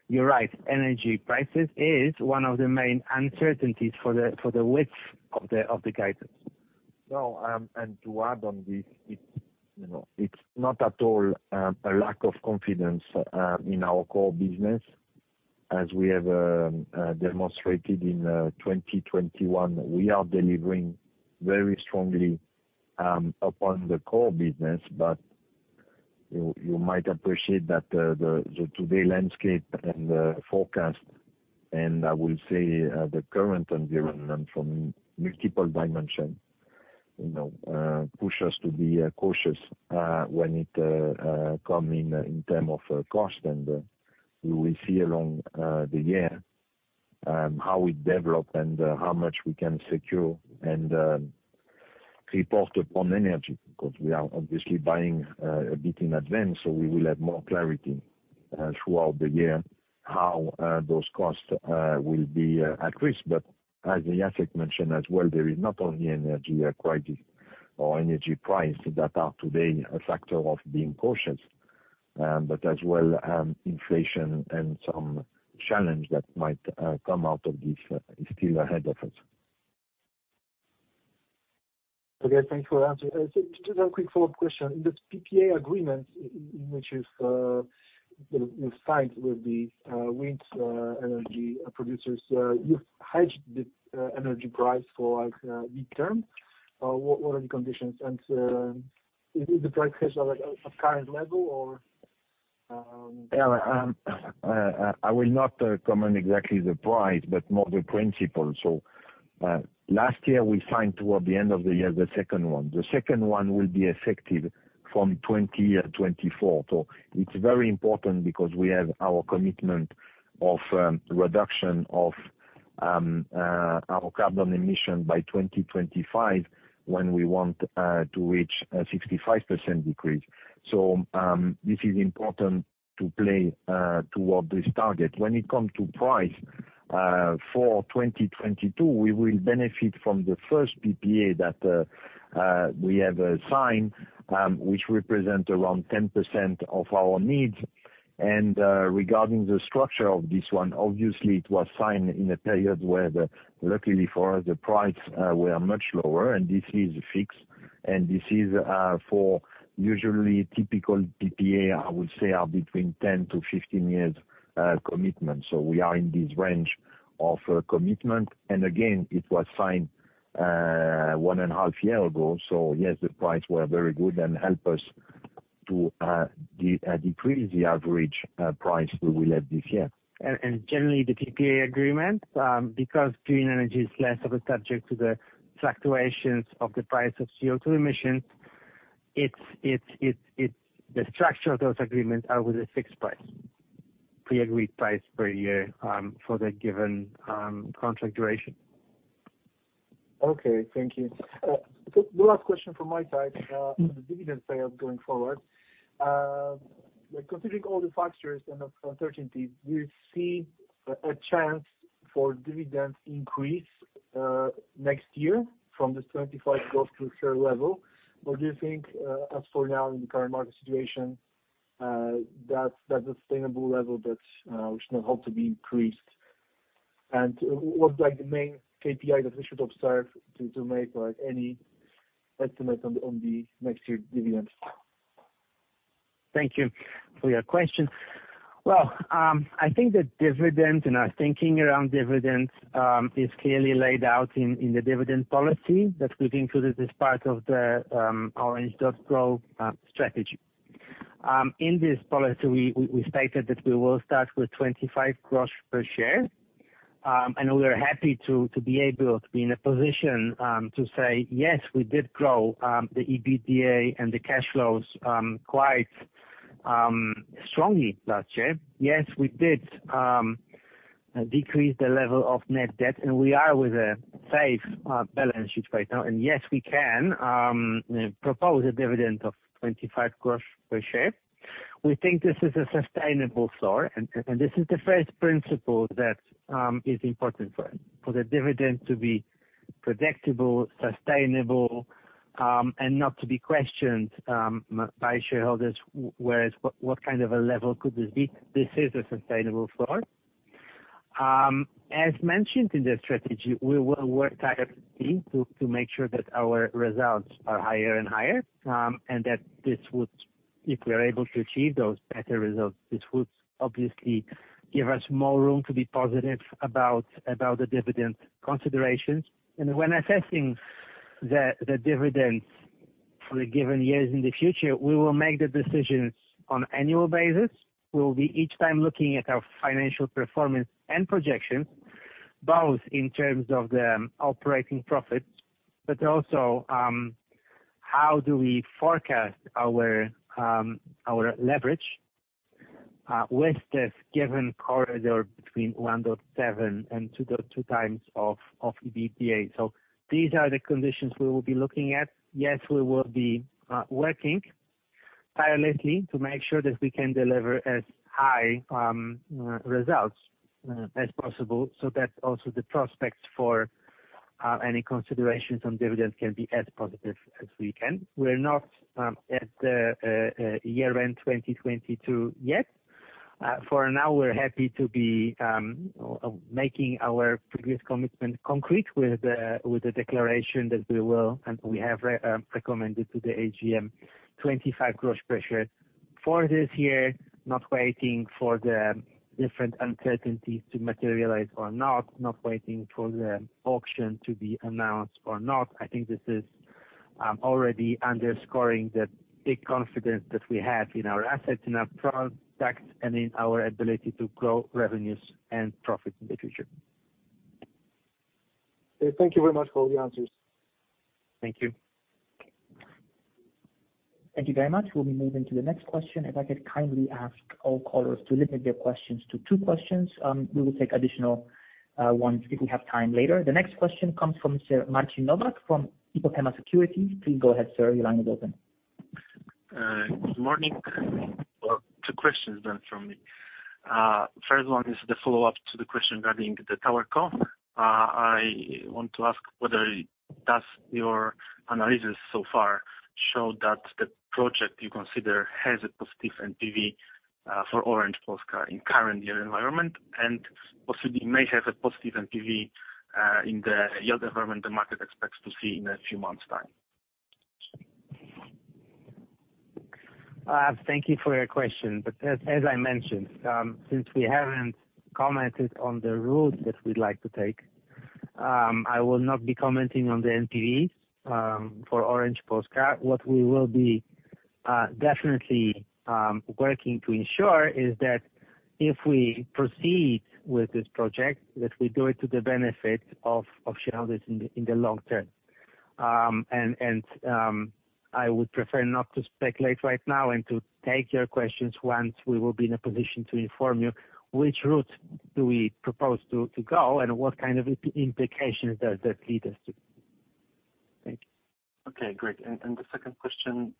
S5: You're right, energy prices is one of the main uncertainties for the width of the guidance.
S2: No, and to add on this, it's, you know, it's not at all a lack of confidence in our core business. As we have demonstrated in 2021, we are delivering very strongly upon the core business. You might appreciate that the today landscape and the forecast, and I will say the current environment from multiple dimension, you know, push us to be cautious when it come in term of cost. We will see along the year how it develop and how much we can secure and report upon energy, because we are obviously buying a bit in advance, so we will have more clarity throughout the year how those costs will be at risk. As Jacek mentioned as well, there is not only energy crisis or energy price that are today a factor of being cautious, but as well, inflation and some challenge that might come out of this is still ahead of us.
S7: Okay, thanks for answering. Just a quick follow-up question. The PPA agreement in which is, you know, you signed with the wind energy producers, you've hedged the energy price for midterm. What are the conditions and is the price as of current level or
S2: Yeah. I will not comment exactly the price but more the principle. Last year we signed toward the end of the year, the second one. The second one will be effective from 2024. It's very important because we have our commitment of reduction of our carbon emission by 2025 when we want to reach a 65% decrease. This is important to play toward this target. When it come to price, for 2022, we will benefit from the first PPA that we have signed, which represent around 10% of our needs. Regarding the structure of this one, obviously it was signed in a period where luckily for us, the price were much lower, and this is fixed. This is for usually typical PPA, I would say, are between 10-15 years commitment. We are in this range of commitment. Again, it was signed 1.5 years ago. Yes, the price were very good and help us to decrease the average price that we will have this year. Generally the PPA agreement, because green energy is less of a subject to the fluctuations of the price of CO2 emissions, it's the structure of those agreements are with a fixed price. Pre-agreed price per year for the given contract duration.
S7: Okay. Thank you. The last question from my side. On the dividend payout going forward. Considering all the factors and the uncertainties, do you see a chance for dividend increase next year from this 25 groszy per share level? Or do you think, as for now in the current market situation, that's a sustainable level that we should not hope to be increased? And what, like, the main KPI that we should observe to make, like, any estimate on the next year dividends?
S5: Thank you for your question. Well, I think the dividend and our thinking around dividends is clearly laid out in the dividend policy that we've included as part of the Orange .Grow strategy. In this policy we stated that we will start with 25 groszy per share. We're happy to be able to be in a position to say, yes, we did grow the EBITDA and the cash flows quite strongly last year. Yes, we did decrease the level of net debt, and we are with a safe balance sheet right now. Yes, we can propose a dividend of 25 groszy per share. We think this is a sustainable floor, and this is the first principle that is important for us, for the dividend to be predictable, sustainable, and not to be questioned by shareholders. Whereas what kind of a level could this be? This is a sustainable floor. As mentioned in the strategy, we will work tirelessly to make sure that our results are higher and higher, and that if we're able to achieve those better results, this would obviously give us more room to be positive about the dividend considerations. When assessing the dividends for the given years in the future, we will make the decisions on annual basis. We will be each time looking at our financial performance and projections, both in terms of the operating profit but also how do we forecast our leverage with the given corridor between 1.7-2.2 times EBITDA. These are the conditions we will be looking at. Yes, we will be working tirelessly to make sure that we can deliver as high results as possible, so that also the prospects for any considerations on dividends can be as positive as we can. We're not at the year-end 2022 yet. For now, we're happy to be making our previous commitment concrete with the declaration that we will, and we have recommended to the AGM 25 groszy per share for this year, not waiting for the different uncertainties to materialize or not waiting for the auction to be announced or not. I think this is already underscoring the big confidence that we have in our assets, in our products, and in our ability to grow revenues and profit in the future.
S7: Thank you very much for all the answers.
S5: Thank you.
S1: Thank you very much. We'll be moving to the next question. If I could kindly ask all callers to limit their questions to two questions. We will take additional ones if we have time later. The next question comes from Marcin Nowak from IPOPEMA Securities. Please go ahead, sir. Your line is open.
S8: Good morning. Well, two questions then from me. First one is the follow-up to the question regarding the TowerCo. I want to ask whether does your analysis so far show that the project you consider has a positive NPV for Orange Polska in current year environment, and possibly may have a positive NPV in the yield environment the market expects to see in a few months time?
S5: Thank you for your question. As I mentioned, since we haven't commented on the route that we'd like to take, I will not be commenting on the NPV for Orange Polska. What we will be definitely working to ensure is that if we proceed with this project, that we do it to the benefit of shareholders in the long term. I would prefer not to speculate right now and to take your questions once we will be in a position to inform you which route do we propose to go and what kind of implication does that lead us to. Thank you.
S8: Okay, great. The second question,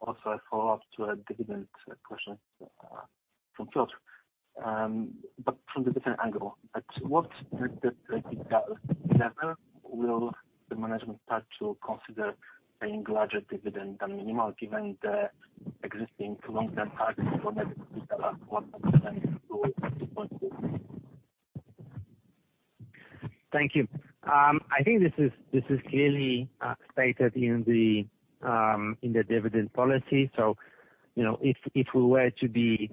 S8: also a follow-up to a dividend question from Philip. From the different angle. At what net debt to EBITDA level will the management start to consider paying larger dividend than minimal given the existing long-term target for net debt to EBITDA of 1.7-2.2?
S5: Thank you. I think this is clearly stated in the dividend policy. You know, if we were to be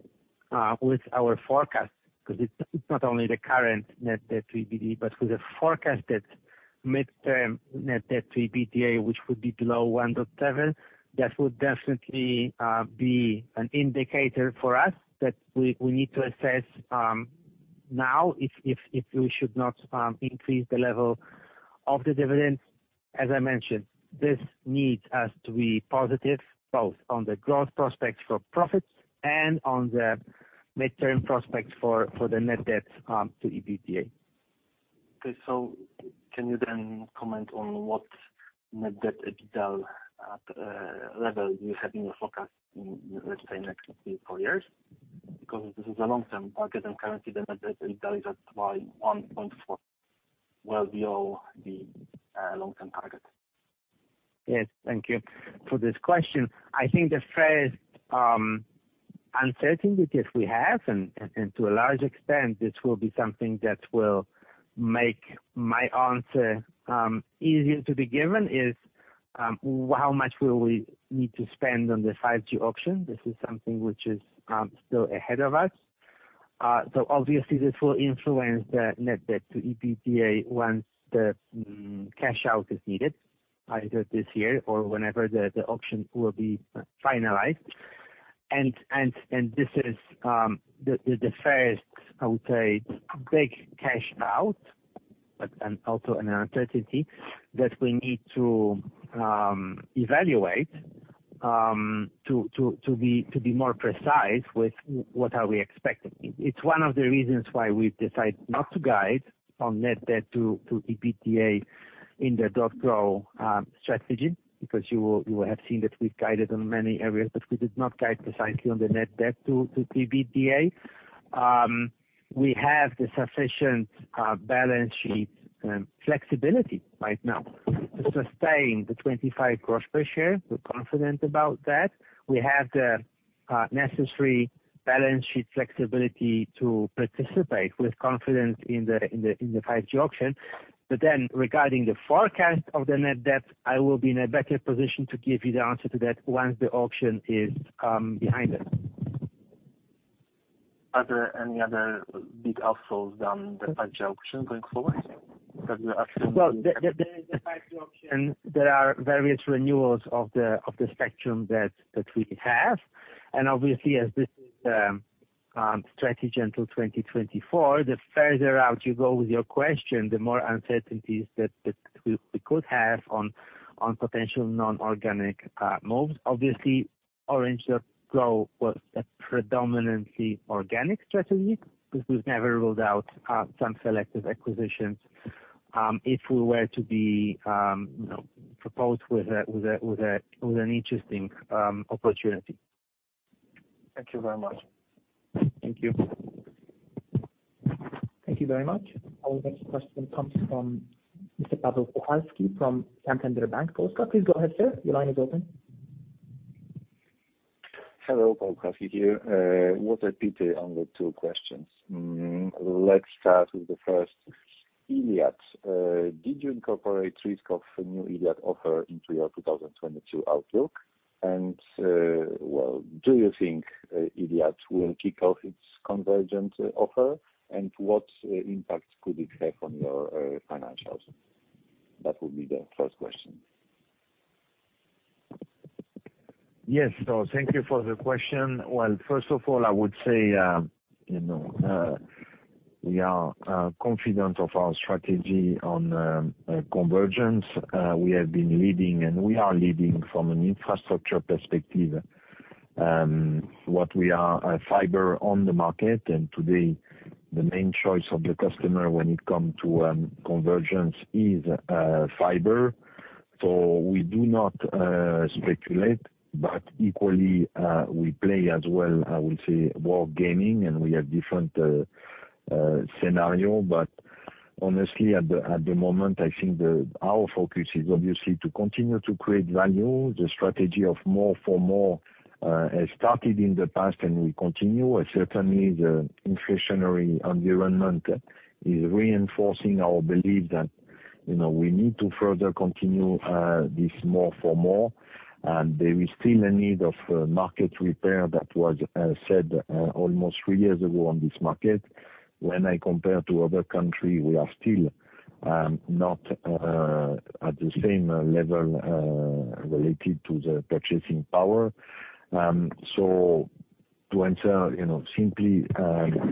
S5: with our forecast, 'cause it's not only the current net debt to EBITDA, but with the forecasted midterm net debt to EBITDA, which would be below 1.7, that would definitely be an indicator for us that we need to assess now if we should not increase the level of the dividend. As I mentioned, this needs us to be positive both on the growth prospects for profits and on the midterm prospects for the net debt to EBITDA.
S8: Okay. Can you then comment on what net debt to EBITDA level you have in your forecast in, let's say, next three, four years? Because this is a long-term target and currently the net debt to EBITDA is at 1.4, well below the long-term target.
S5: Yes. Thank you for this question. I think the first uncertainty that we have and to a large extent this will be something that will make my answer easier to be given is how much will we need to spend on the 5G auction. This is something which is still ahead of us. So obviously this will influence the net debt to EBITDA once the cash out is needed, either this year or whenever the auction will be finalized. This is the first, I would say, big cash out, but also an uncertainty that we need to evaluate to be more precise with what are we expecting. It's one of the reasons why we've decided not to guide on net debt to EBITDA in the .Grow strategy. Because you will have seen that we've guided on many areas, but we did not guide precisely on the net debt to EBITDA. We have the sufficient balance sheet flexibility right now to sustain the 25 groszy per share. We're confident about that. We have the necessary balance sheet flexibility to participate with confidence in the 5G auction. Regarding the forecast of the net debt, I will be in a better position to give you the answer to that once the auction is behind us.
S8: Are there any other big outflows than the 5G auction going forward? Because you're assuming-
S5: Well, the 5G auction, there are various renewals of the spectrum that we have. Obviously, as this is strategy until 2024, the further out you go with your question, the more uncertainties that we could have on potential non-organic moves. Obviously, Orange .Grow was a predominantly organic strategy, but we've never ruled out some selective acquisitions, if we were to be you know, proposed with an interesting opportunity.
S8: Thank you very much.
S5: Thank you.
S1: Thank you very much. Our next question comes from Mr. Paweł Kucharski from Santander Bank Polska. Please go ahead, sir. Your line is open.
S9: Hello. Paweł Kucharski here. Walter Pitti on the two questions. Let's start with the first. Iliad, did you incorporate risk of a new Iliad offer into your 2022 outlook? Do you think Iliad will kick off its convergent offer? What impact could it have on your financials? That would be the first question.
S7: Yes. Thank you for the question. Well, first of all, I would say, you know, we are confident of our strategy on convergence. We have been leading and we are leading from an infrastructure perspective, what we are fiber on the market. And today the main choice of the customer when it come to convergence is fiber. We do not speculate, but equally we play as well, I would say wargaming, and we have different scenario. But honestly at the moment, I think our focus is obviously to continue to create value. The strategy of more for more has started in the past and will continue.
S2: Certainly the inflationary environment is reinforcing our belief that you know, we need to further continue this more for more, and there is still a need of market repair that was said almost three years ago on this market. When I compare to other country, we are still not at the same level related to the purchasing power. So to answer you know simply,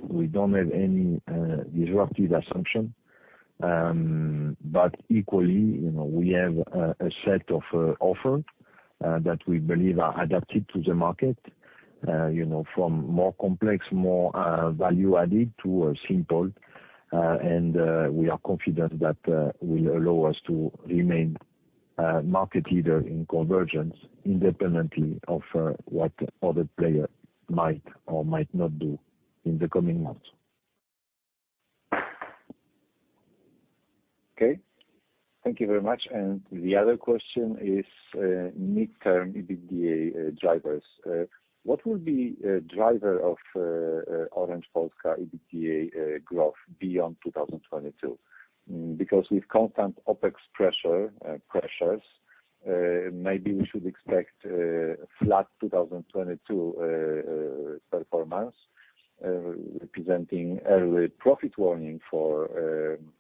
S2: we don't have any disruptive assumption. But equally you know we have a set of offers that we believe are adapted to the market you know from more complex more value added to a simple and we are confident that will allow us to remain market leader in convergence independently of what other player might or might not do in the coming months.
S9: Okay. Thank you very much. The other question is midterm EBITDA drivers. What will be the driver of Orange Polska EBITDA growth beyond 2022? Because with constant OpEx pressures, maybe we should expect flat 2022 performance, representing early profit warning for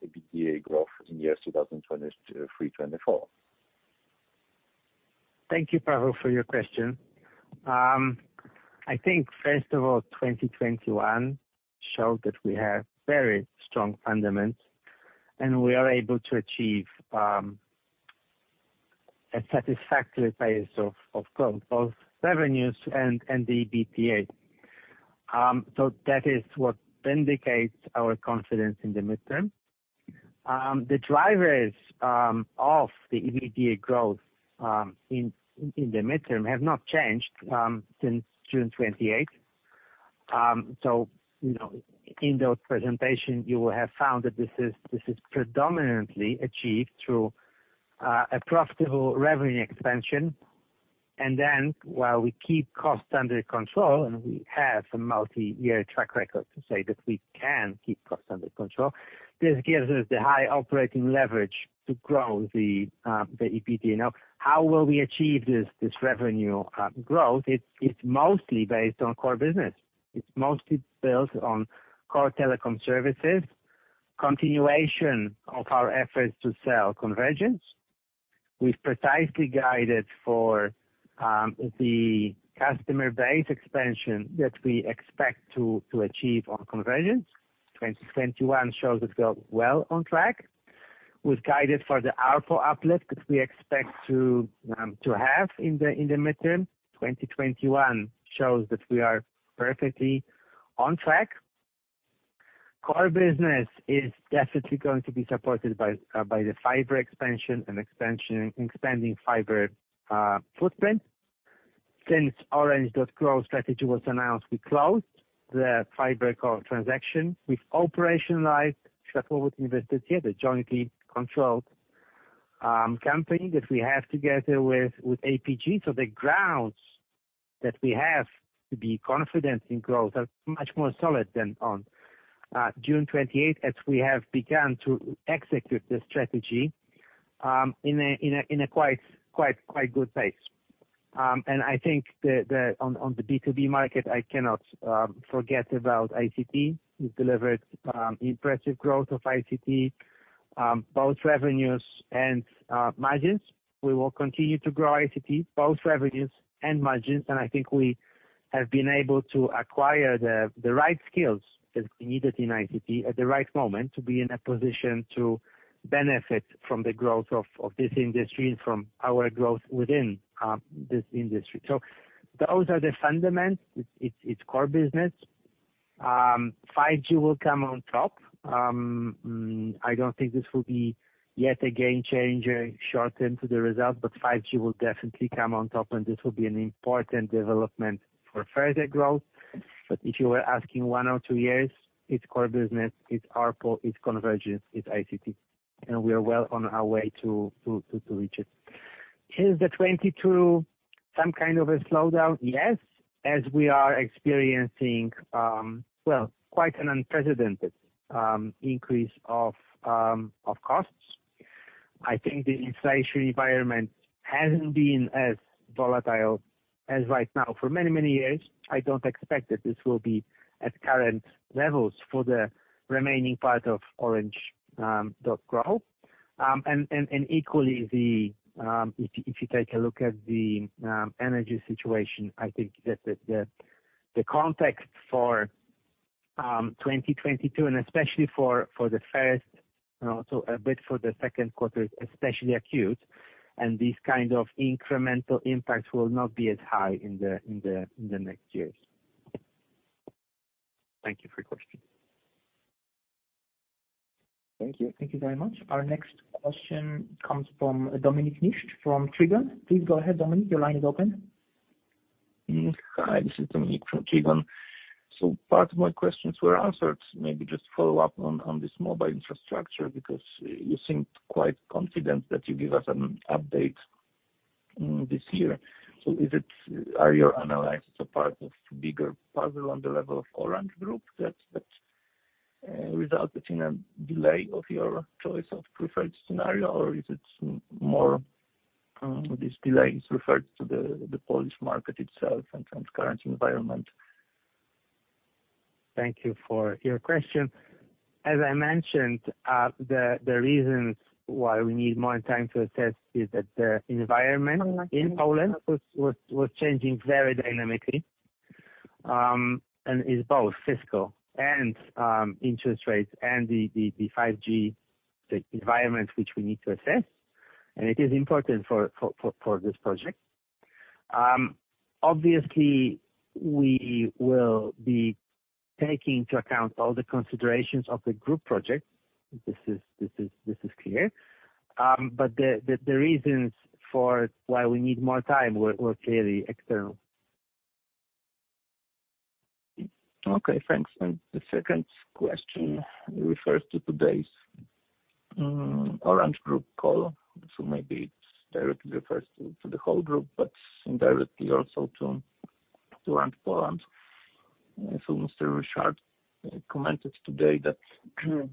S9: EBITDA growth in years 2023, 2024.
S5: Thank you, Pavel, for your question. I think, first of all, 2021 showed that we have very strong fundamentals, and we are able to achieve a satisfactory pace of growth of revenues and the EBITDA. That is what vindicates our confidence in the midterm. The drivers of the EBITDA growth in the midterm have not changed since June 28. You know, in that presentation, you will have found that this is predominantly achieved through a profitable revenue expansion. While we keep costs under control, and we have a multi-year track record to say that we can keep costs under control, this gives us the high operating leverage to grow the EBITDA. Now, how will we achieve this revenue growth? It's mostly based on core business. It's mostly built on core telecom services, continuation of our efforts to sell convergence. We've precisely guided for the customer base expansion that we expect to achieve on convergence. 2021 shows it goes well on track. We've guided for the ARPU uplift that we expect to have in the midterm. 2021 shows that we are perfectly on track. Core business is definitely going to be supported by the fiber expansion and expanding fiber footprint. Since Orange .Grow strategy was announced, we closed the FiberCo transaction. We've operationalized invested here, the jointly controlled company that we have together with APG. The grounds that we have to be confident in growth are much more solid than on June 28, as we have begun to execute the strategy in a quite good pace. I think on the B2B market, I cannot forget about ICT. We've delivered impressive growth of ICT, both revenues and margins. We will continue to grow ICT, both revenues and margins, and I think we have been able to acquire the right skills that we needed in ICT at the right moment to be in a position to benefit from the growth of this industry and from our growth within this industry. Those are the fundamentals. It's core business. 5G will come on top. I don't think this will be yet a game changer short-term to the result, but 5G will definitely come on top, and this will be an important development for further growth. If you were asking one or two years, it's core business, it's ARPU, it's convergence, it's ICT, and we are well on our way to reach it. Is 2022 some kind of a slowdown? Yes. As we are experiencing, well, quite an unprecedented increase of costs. I think the inflation environment hasn't been as volatile as right now for many years. I don't expect that this will be at current levels for the remaining part of Orange .Grow. Equally, if you take a look at the energy situation, I think that the context for 2022 and especially for the first, so a bit for the second quarter is especially acute, and these kind of incremental impacts will not be as high in the next years. Thank you for your question. Thank you.
S1: Thank you very much. Our next question comes from Dominik Niszcz from Trigon. Please go ahead, Dominik. Your line is open.
S10: Hi. This is Dominik from Trigon. Part of my questions were answered, maybe just follow up on this mobile infrastructure because you seemed quite confident that you give us an update this year. Is your analysis a part of bigger puzzle on the level of Orange Group that's resulted in a delay of your choice of preferred scenario, or is it more, this delay is referred to the Polish market itself and current environment?
S5: Thank you for your question. As I mentioned, the reasons why we need more time to assess is that the environment in Poland was changing very dynamically. It's both fiscal and interest rates and the 5G environment which we need to assess, and it is important for this project. Obviously we will be taking into account all the considerations of the group project. This is clear. The reasons for why we need more time were clearly external.
S10: Okay, thanks. The second question refers to today's Orange Group call. Maybe it directly refers to the whole group, but indirectly also to Orange Polska. Stéphane Richard commented today that,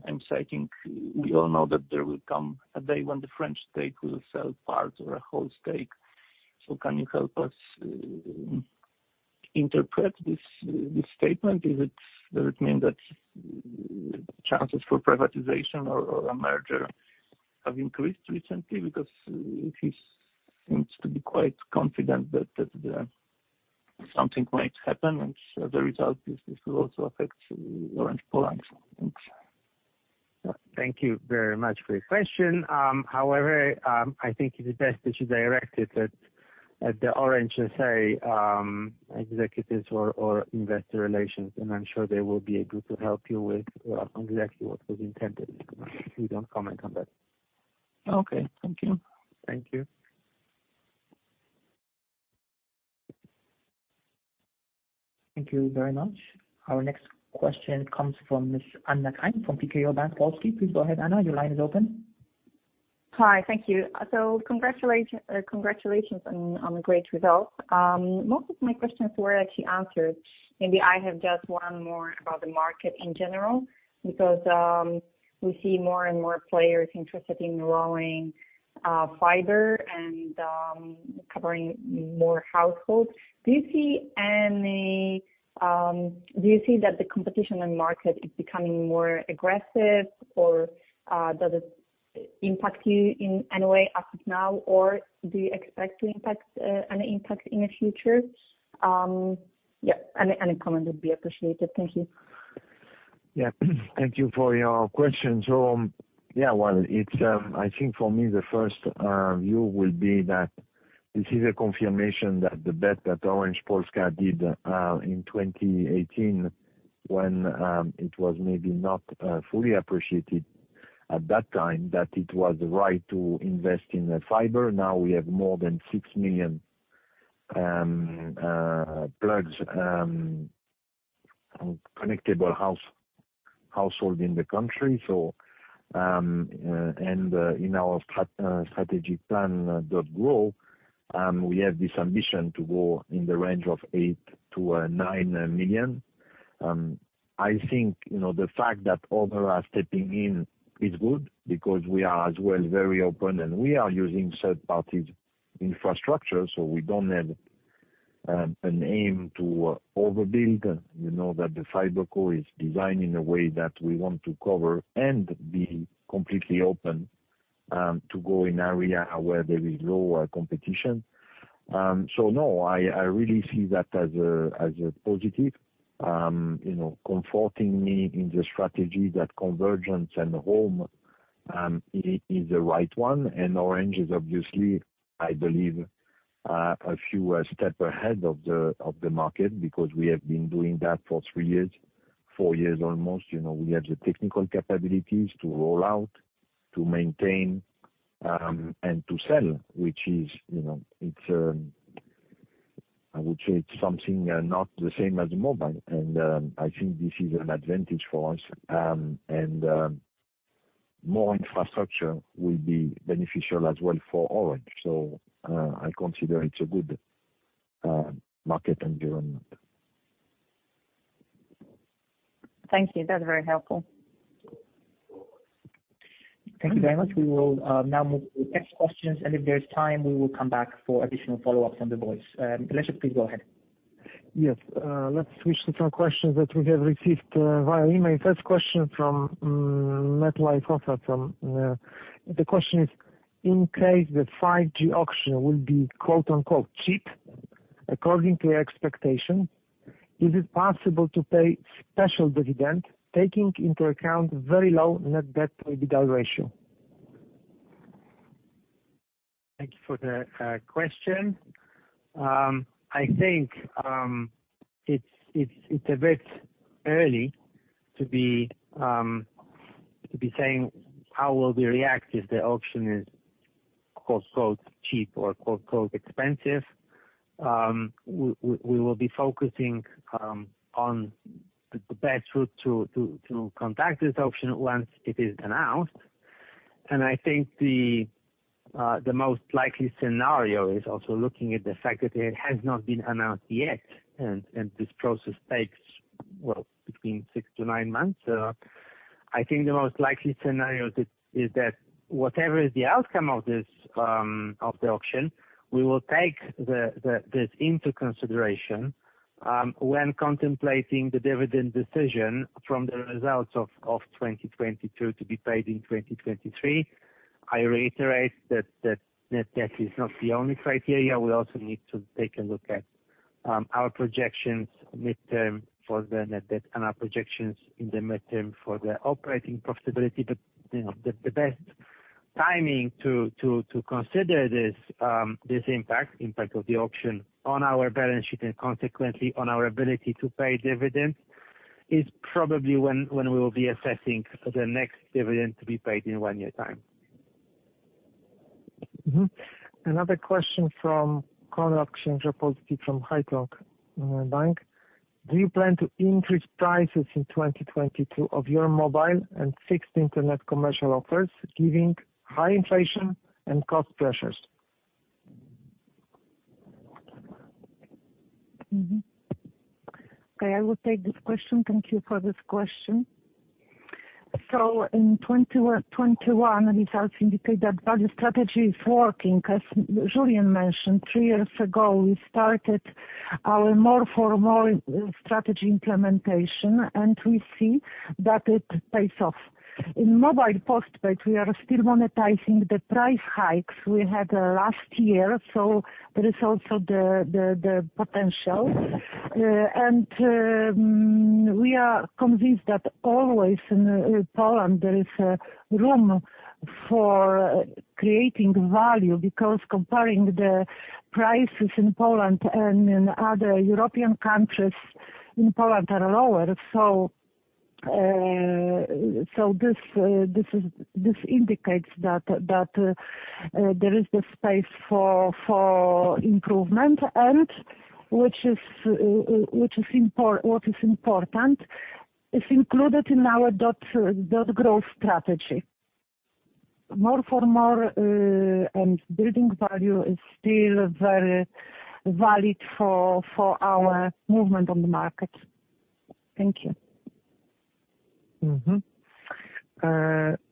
S10: I'm citing, "We all know that there will come a day when the French state will sell parts or a whole stake." Can you help us interpret this statement? Does it mean that chances for privatization or a merger have increased recently? Because he seems to be quite confident that something might happen, and as a result, this will also affect Orange Polska. Thanks.
S5: Thank you very much for your question. However, I think it's best that you direct it at the Orange S.A. executives or investor relations, and I'm sure they will be able to help you with exactly what was intended. We don't comment on that.
S10: Okay. Thank you.
S5: Thank you.
S1: Thank you very much. Our next question comes from Miss Anna Kind from PKO Bank Polski. Please go ahead, Anna. Your line is open.
S11: Hi. Thank you. Congratulations on the great results. Most of my questions were actually answered. Maybe I have just one more about the market in general, because we see more and more players interested in growing fiber and covering more households. Do you see that the competition in market is becoming more aggressive, or does it impact you in any way as of now, or do you expect an impact in the future? Yeah, any comment would be appreciated. Thank you.
S2: Yeah. Thank you for your question. Well, I think for me, the first view will be that this is a confirmation that the bet that Orange Polska did in 2018 when it was maybe not fully appreciated at that time, that it was right to invest in the fiber. Now we have more than 6 million connectable households in the country. In our strategy plan, .Grow, we have this ambition to grow in the range of 8-9 million. I think, you know, the fact that others are stepping in is good because we are as well very open, and we are using third parties infrastructure, so we don't have an aim to overbuild. You know that the FiberCo is designed in a way that we want to cover and be completely open, to go in area where there is lower competition. So, no, I really see that as a positive, you know, comforting me in the strategy that convergence and home is the right one. Orange is obviously, I believe, a few step ahead of the market because we have been doing that for three years, four years almost. You know, we have the technical capabilities to roll out, to maintain, and to sell, which is, you know, it's, I would say it's something not the same as mobile. I think this is an advantage for us. More infrastructure will be beneficial as well for Orange. I consider it a good market environment.
S11: Thank you. That's very helpful.
S1: Thank you very much. We will now move to the next questions, and if there's time, we will come back for additional follow-ups on the voice. Leszek, please go ahead.
S6: Yes. Let's switch to some questions that we have received via email. First question from Matt Lycosat from. The question is, in case the 5G auction will be "cheap" according to your expectation, is it possible to pay special dividend, taking into account very low net debt to EBITDA ratio?
S5: Thank you for the question. I think it's a bit early to be saying how will we react if the auction is "cheap" or "expensive". We will be focusing on the best route to contact this auction once it is announced. I think the most likely scenario is also looking at the fact that it has not been announced yet, and this process takes between six to nine months. I think the most likely scenario is that whatever is the outcome of this auction, we will take this into consideration when contemplating the dividend decision from the results of 2022 to be paid in 2023. I reiterate that net debt is not the only criteria. We also need to take a look at our projections mid-term for the net debt and our projections in the mid-term for the operating profitability. You know, the best timing to consider this impact of the auction on our balance sheet and consequently on our ability to pay dividends is probably when we will be assessing the next dividend to be paid in one year time.
S6: Another question from Konrad Księżopolski from Haitong Bank. Do you plan to increase prices in 2022 of your mobile and fixed internet commercial offers given high inflation and cost pressures?
S3: I will take this question. Thank you for this question. In 2021, results indicate that value strategy is working. As Julien mentioned, three years ago, we started our more for more strategy implementation, and we see that it pays off. In mobile postpaid, we are still monetizing the price hikes we had last year, so there is also the potential. We are convinced that always in Poland there is room for creating value because comparing the prices in Poland and in other European countries, in Poland are lower. This indicates that there is the space for improvement, and what is important is included in our .Grow strategy. More for More, and building value is still very valid for our movement on the market. Thank you.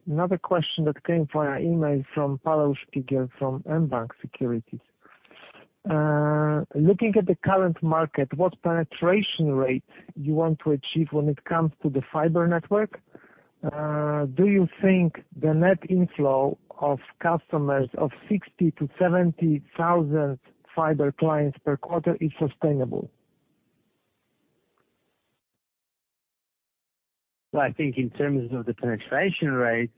S6: Another question that came via email from Paweł Szpigiel from mBank Securities. Looking at the current market, what penetration rate you want to achieve when it comes to the fiber network? Do you think the net inflow of customers of 60,000-70,000 fiber clients per quarter is sustainable?
S5: Well, I think in terms of the penetration rates,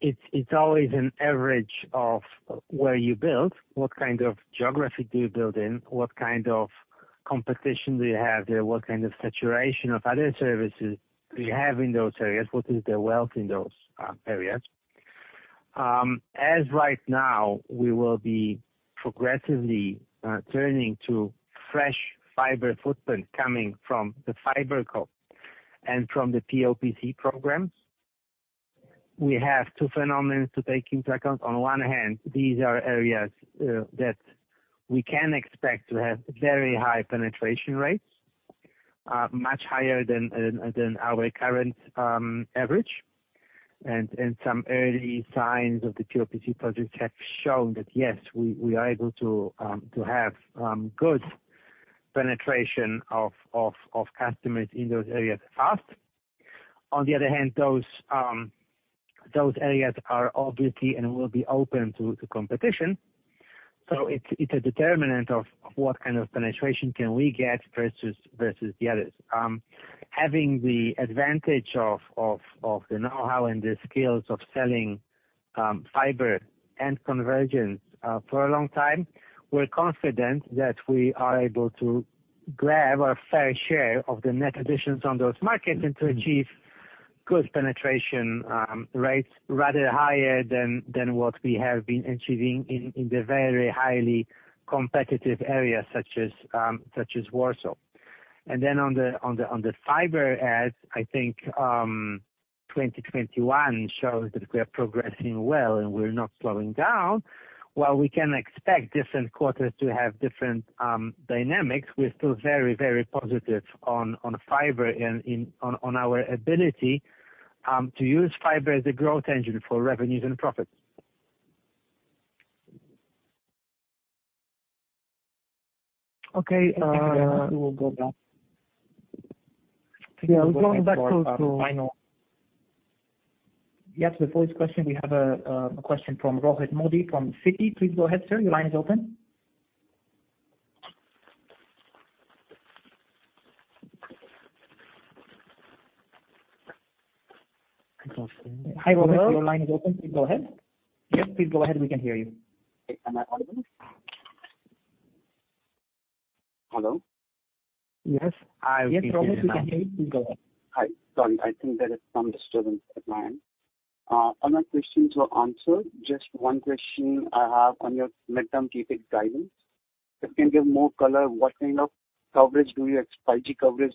S5: it's always an average of where you build, what kind of geography do you build in, what kind of competition do you have there, what kind of saturation of other services do you have in those areas, what is the wealth in those areas. As of right now, we will be progressively turning to fresh fiber footprint coming from the FiberCo and from the POPC programs. We have two phenomena to take into account. On one hand, these are areas that we can expect to have very high penetration rates, much higher than our current average. Some early signs of the POPC projects have shown that, yes, we are able to have good penetration of customers in those areas fast. On the other hand, those areas are obviously and will be open to competition. It's a determinant of what kind of penetration can we get versus the others. Having the advantage of the know-how and the skills of selling fiber and convergence for a long time, we're confident that we are able to grab our fair share of the net additions on those markets and to achieve good penetration rates rather higher than what we have been achieving in the very highly competitive areas such as Warsaw. Then on the fiber adds, I think, 2021 shows that we are progressing well and we're not slowing down. While we can expect different quarters to have different dynamics, we're still very, very positive on fiber and on our ability to use fiber as a growth engine for revenues and profits.
S6: Okay,
S5: Thank you. We will go back.
S6: Yeah. We're going back to
S1: Final. Yes. The fourth question, we have a question from Rohit Modi from Citi. Please go ahead sir your line is open.
S12: Hello.
S5: Yes.
S12: Hi.
S5: Yes, Rohit, we can hear you. Go ahead.
S12: Hi. Sorry, I think there is some disturbance at my end. All my questions were answered. Just one question I have on your midterm CapEx guidance. If you can give more color, what kind of 5G coverage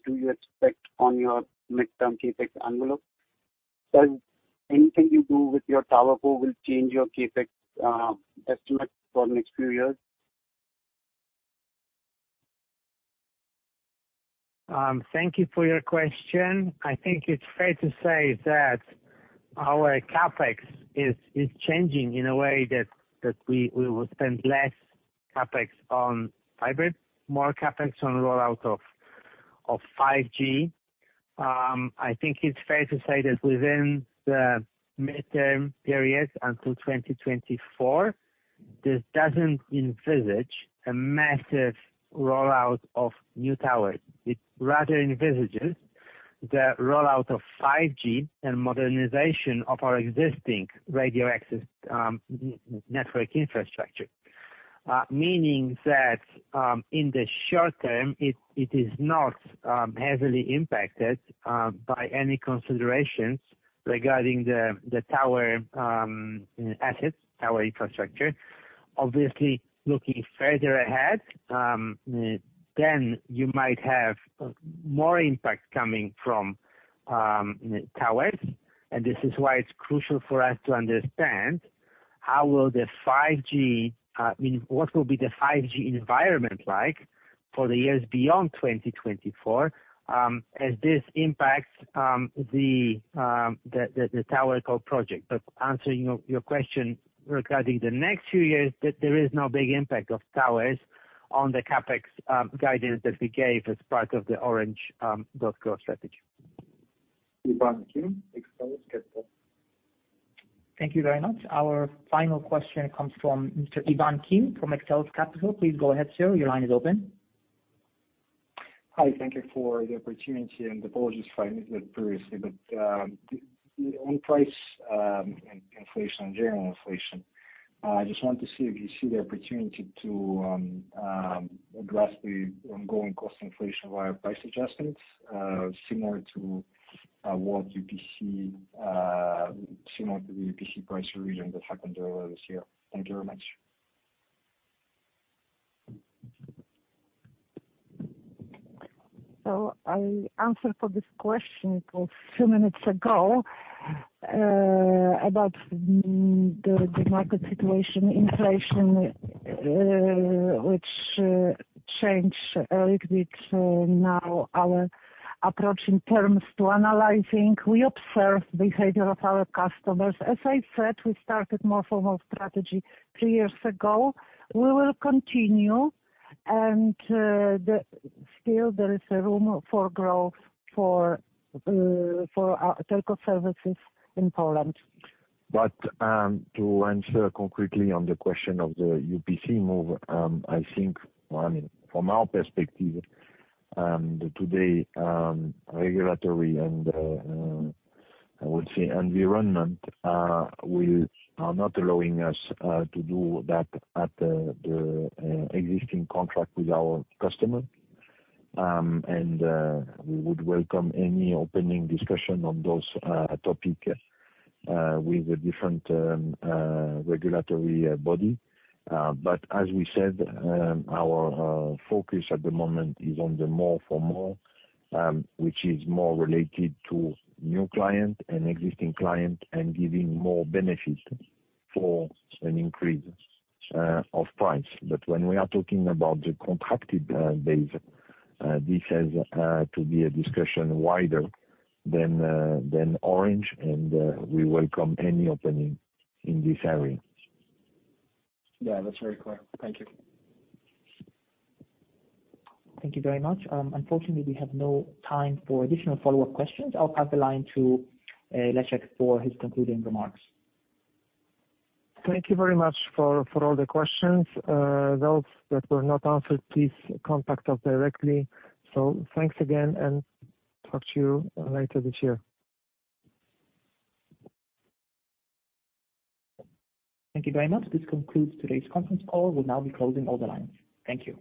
S12: do you expect on your midterm CapEx envelope? Does anything you do with your tower book will change your CapEx estimate for next few years?
S5: Thank you for your question. I think it's fair to say that our CapEx is changing in a way that we will spend less CapEx on fiber, more CapEx on rollout of 5G. I think it's fair to say that within the midterm period until 2024, this doesn't envisage a massive rollout of new towers. It rather envisages the rollout of 5G and modernization of our existing radio access network infrastructure. Meaning that in the short term, it is not heavily impacted by any considerations regarding the tower assets, tower infrastructure. Obviously, looking further ahead, then you might have more impact coming from towers, and this is why it's crucial for us to understand how will the 5G mean. What will be the 5G environment like for the years beyond 2024, as this impacts the TowerCo project. Answering your question regarding the next few years, that there is no big impact of towers on the CapEx guidance that we gave as part of the Orange .Grow strategy.
S13: Ivan Kim, Xtellus Capital.
S6: Thank you very much. Our final question comes from Mr. Ivan Kim from Xtellus Capital. Please go ahead, sir. Your line is open.
S13: Hi. Thank you for the opportunity, and apologies for I missed that previously. On price and inflation, general inflation, I just want to see if you see the opportunity to address the ongoing cost inflation via price adjustments, similar to the UPC price revision that happened earlier this year. Thank you very much.
S3: I answered for this question a few minutes ago about the market situation, inflation, which changed a little bit. Now our approach in terms to analyzing, we observe behavior of our customers. As I said, we started more formal strategy three years ago. We will continue. Still there is a room for growth for our telco services in Poland.
S2: To answer concretely on the question of the UPC move, I think, I mean, from our perspective and today, regulatory and I would say environment, we are not allowing us to do that at the existing contract with our customer. We would welcome any opening discussion on those topic with a different regulatory body. As we said, our focus at the moment is on the More for More, which is more related to new client and existing client and giving more benefit for an increase of price. When we are talking about the contracted base, this has to be a discussion wider than Orange, and we welcome any opening in this area.
S12: Yeah, that's very clear. Thank you.
S1: Thank you very much. Unfortunately, we have no time for additional follow-up questions. I'll pass the line to Leszek for his concluding remarks.
S5: Thank you very much for all the questions. Those that were not answered, please contact us directly. Thanks again and talk to you later this year.
S1: Thank you very much. This concludes today's conference call. We'll now be closing all the lines. Thank you.